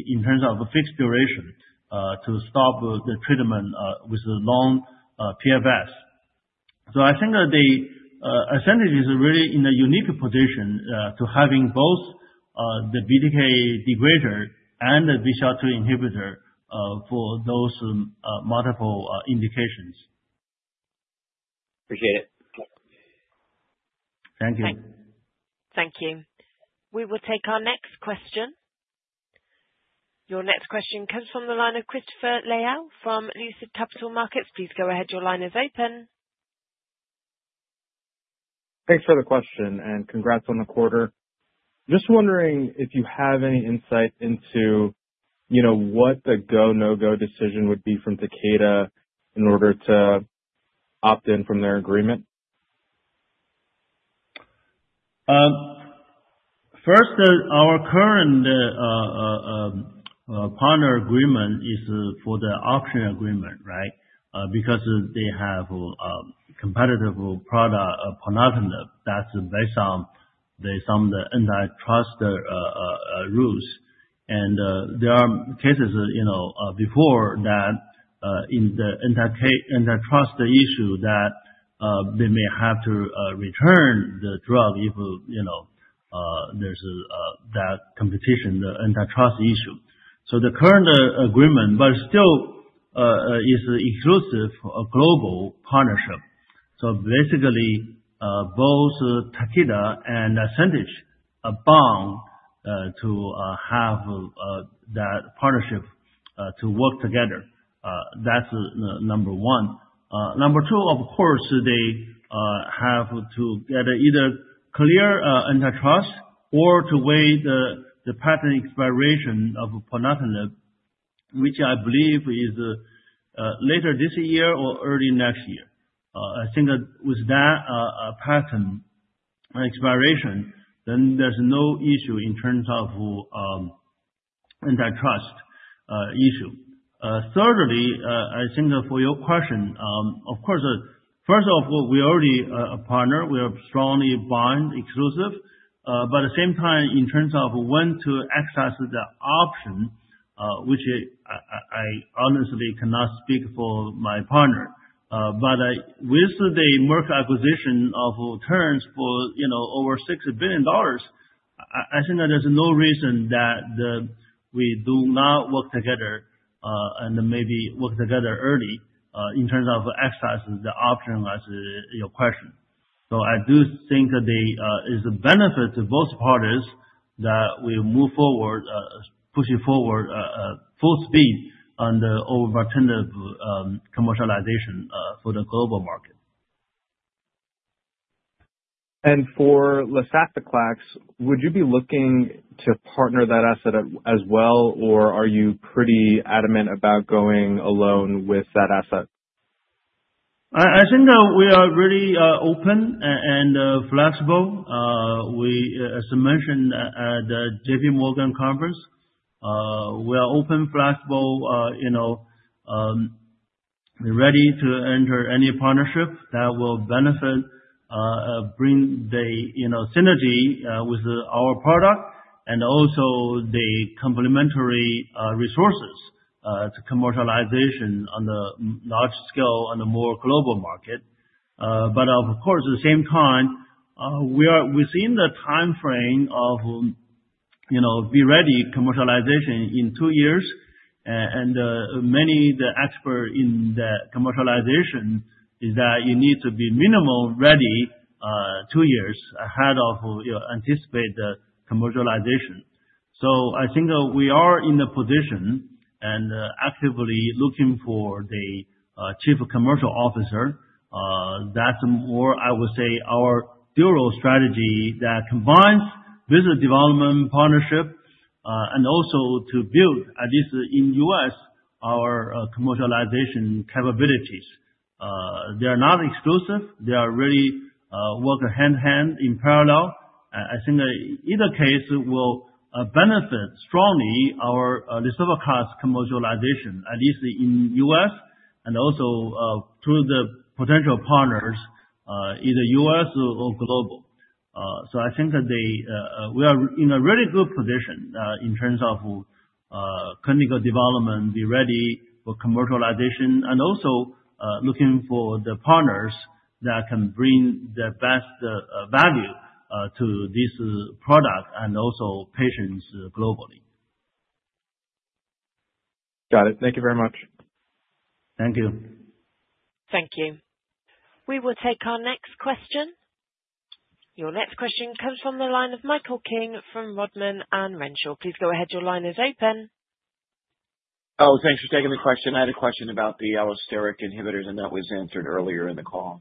in terms of fixed duration, to stop the treatment with the long PFS. I think that Ascentage is really in a unique position to have both the BTK degrader and the BCL-2 inhibitor for those multiple indications. Appreciate it. Thank you. Thank you. We will take our next question. Your next question comes from the line of Christopher Liu from Lucid Capital Markets. Please go ahead. Your line is open. Thanks for the question and congrats on the quarter. Just wondering if you have any insight into what the go, no-go decision would be from Takeda in order to opt in from their agreement. First, our current partner agreement is for the option agreement, right? They have a competitive product, ponatinib, that is based on some antitrust rules. There are cases before that in the antitrust issue that they may have to return the drug if there is that competition, the antitrust issue. The current agreement but still is exclusive global partnership. Basically, both Takeda and Ascentage are bound to have that partnership to work together. That is number one. Of course, they have to get either clear antitrust or to weigh the patent expiration of ponatinib, which I believe is later this year or early next year. With that patent expiration, there is no issue in terms of antitrust issue. Thirdly, for your question, of course, first of all, we are already a partner. We are strongly bound exclusive. At the same time, in terms of when to exercise the option, which I honestly cannot speak for my partner. With the Merck acquisition of Terns for over $6 billion, I think that there is no reason that we do not work together, and maybe work together early, in terms of exercising the option as your question. So I do think that it is a benefit to both parties that we move forward, pushing forward full speed on the olverembatinib commercialization for the global market. For lisaftoclax, would you be looking to partner that asset as well, or are you pretty adamant about going alone with that asset? I think we are really open and flexible. As I mentioned at the J.P. Morgan conference, we are open, flexible, we are ready to enter any partnership that will benefit, bring the synergy with our product and also the complementary resources to commercialization on the large scale on a more global market. Of course, at the same time, we are within the timeframe of be ready commercialization in two years. Many of the experts in the commercialization is that you need to be minimally ready two years ahead of your anticipated commercialization. I think that we are in a position and actively looking for the chief commercial officer. That is more, I would say, our dual strategy that combines business development, partnership, and also to build, at least in U.S., our commercialization capabilities. They are not exclusive. They really work hand in hand in parallel. I think that either case will benefit strongly our lisaftoclax commercialization, at least in the U.S., and also through the potential partners, either U.S. or global. I think that we are in a really good position in terms of clinical development, be ready for commercialization, and also looking for the partners that can bring the best value to this product and also patients globally. Got it. Thank you very much. Thank you. Thank you. We will take our next question. Your next question comes from the line of Michael King from Rodman & Renshaw. Please go ahead. Your line is open. Thanks for taking the question. I had a question about the allosteric inhibitors. That was answered earlier in the call.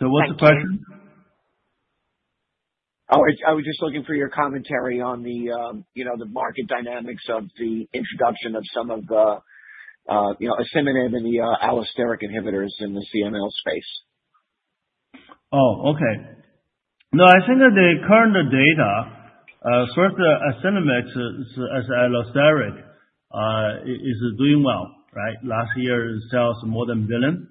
What's the question? I was just looking for your commentary on the market dynamics of the introduction of some of the asciminib and the allosteric inhibitors in the CML space. Okay. I think that the current data, first, asciminib as allosteric, is doing well, right? Last year it sells more than 1 billion.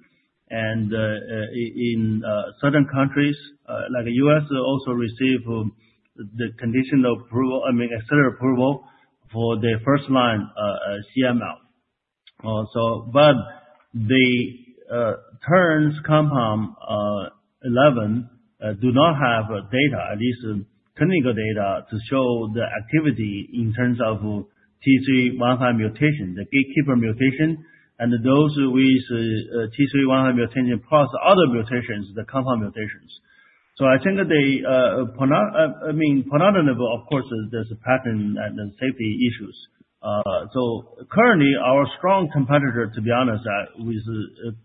In certain countries, like U.S., also received the conditional approval, I mean, accelerated approval for the first line CML. The Terns compound Eleven do not have data, at least clinical data, to show the activity in terms of T315I mutation, the gatekeeper mutation, and those with T315I mutation plus other mutations, the compound mutations. I think that they, I mean, ponatinib level, of course, there's a pattern and safety issues. Currently our strong competitor, to be honest, that we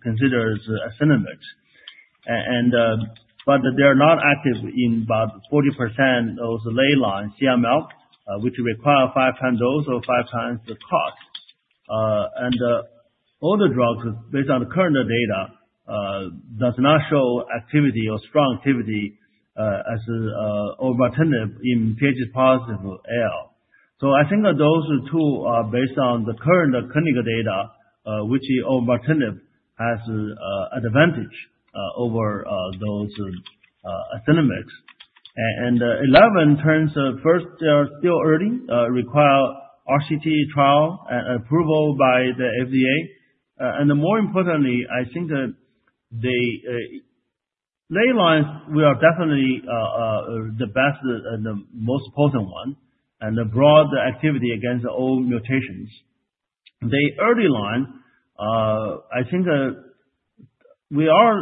consider is asciminib. They're not active in about 40% of the lay line CML, which require five times dose or five times the cost. All the drugs, based on current data, does not show activity or strong activity as olverembatinib in Ph+ ALL. I think that those two are based on the current clinical data, which olverembatinib has advantage over those asciminib. TERN-701 still early, require RCT trial approval by the FDA. More importantly, I think that the early lines, we are definitely the best and the most potent one, and the broad activity against all mutations. The early line, I think we are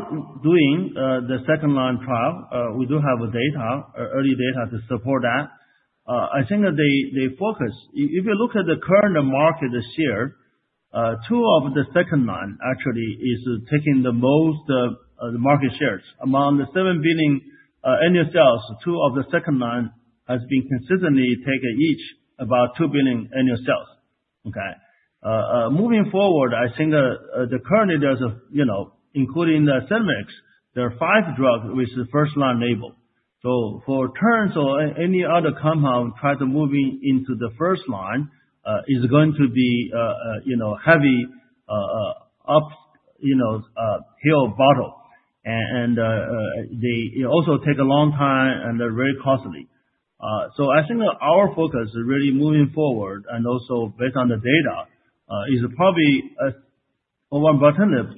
doing the second line trial. We do have data, early data to support that. I think that they focus. If you look at the current market this year, two of the second line actually is taking the most of the market shares. Among the $7 billion annual sales, two of the second line has been consistently taken each about $2 billion annual sales. Okay. Moving forward, I think that currently there's, including the asciminib, there are five drugs with the first line label. For Terns or any other compound, trying to move into the first line is going to be heavy uphill battle. They also take a long time, and they're very costly. I think our focus is really moving forward and also based on the data, is probably olverembatinib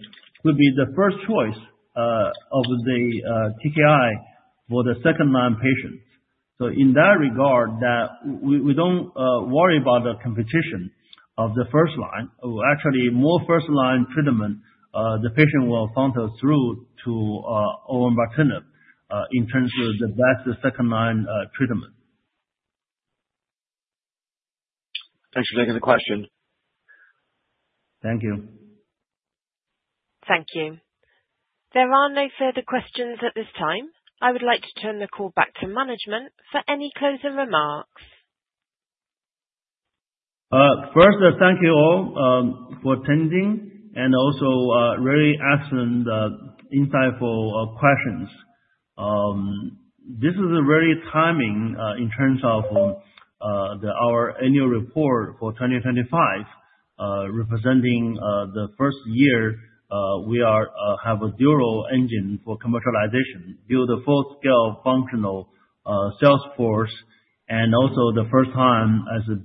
would be the first choice of the TKI for the second-line patient. So in that regard, we don't worry about the competition of the first line. Actually, more first-line treatment, the patient will funnel through to olverembatinib in terms of the best second-line treatment. Thanks for taking the question. Thank you. Thank you. There are no further questions at this time. I would like to turn the call back to management for any closing remarks. First, thank you all for attending and also really excellent, insightful questions. This is a great timing in terms of our annual report for 2025, representing the first year we have a dual engine for commercialization, build a full-scale functional sales force, and also the first time as a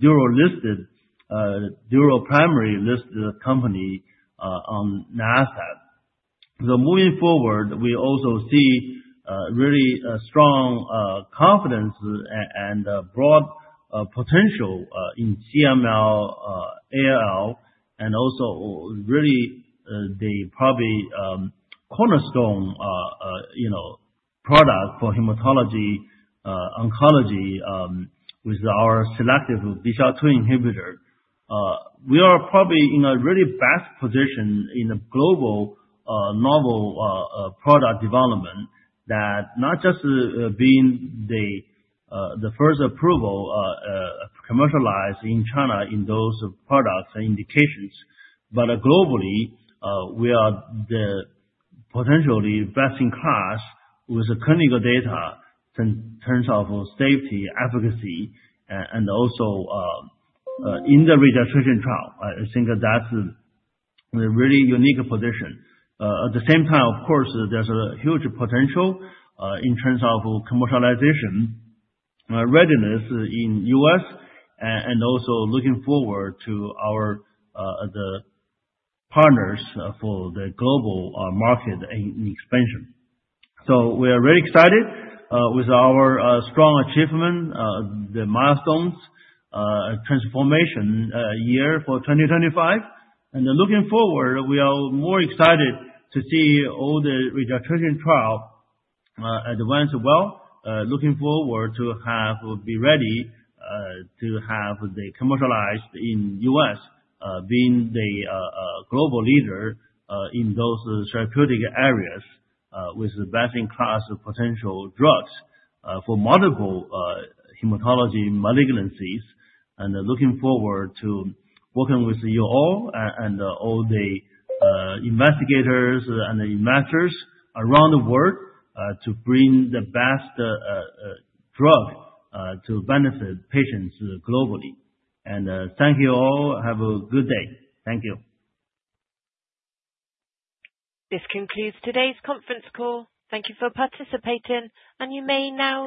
dual, primary listed company on Nasdaq. Moving forward, we also see really strong confidence and broad potential in CML, ALL, and also really the probably cornerstone product for hematology oncology with our selective BCL-2 inhibitor. We are probably in a really fast position in the global novel product development that not just being the first approval commercialized in China in those products and indications, but globally, we are potentially best in class with the clinical data in terms of safety, efficacy, and also in the registration trial. I think that's a really unique position. At the same time, of course, there's a huge potential in terms of commercialization readiness in U.S., and also looking forward to the partners for the global market and expansion. We are really excited with our strong achievement, the milestones, transformation year for 2025. Looking forward, we are more excited to see all the registration trial advance well, looking forward to be ready to have the commercialized in U.S., being the global leader in those therapeutic areas with best-in-class potential drugs for multiple hematology malignancies. Looking forward to working with you all and all the investigators and the investors around the world to bring the best drug to benefit patients globally. Thank you all. Have a good day. Thank you. This concludes today's conference call. Thank you for participating, and you may now disconnect.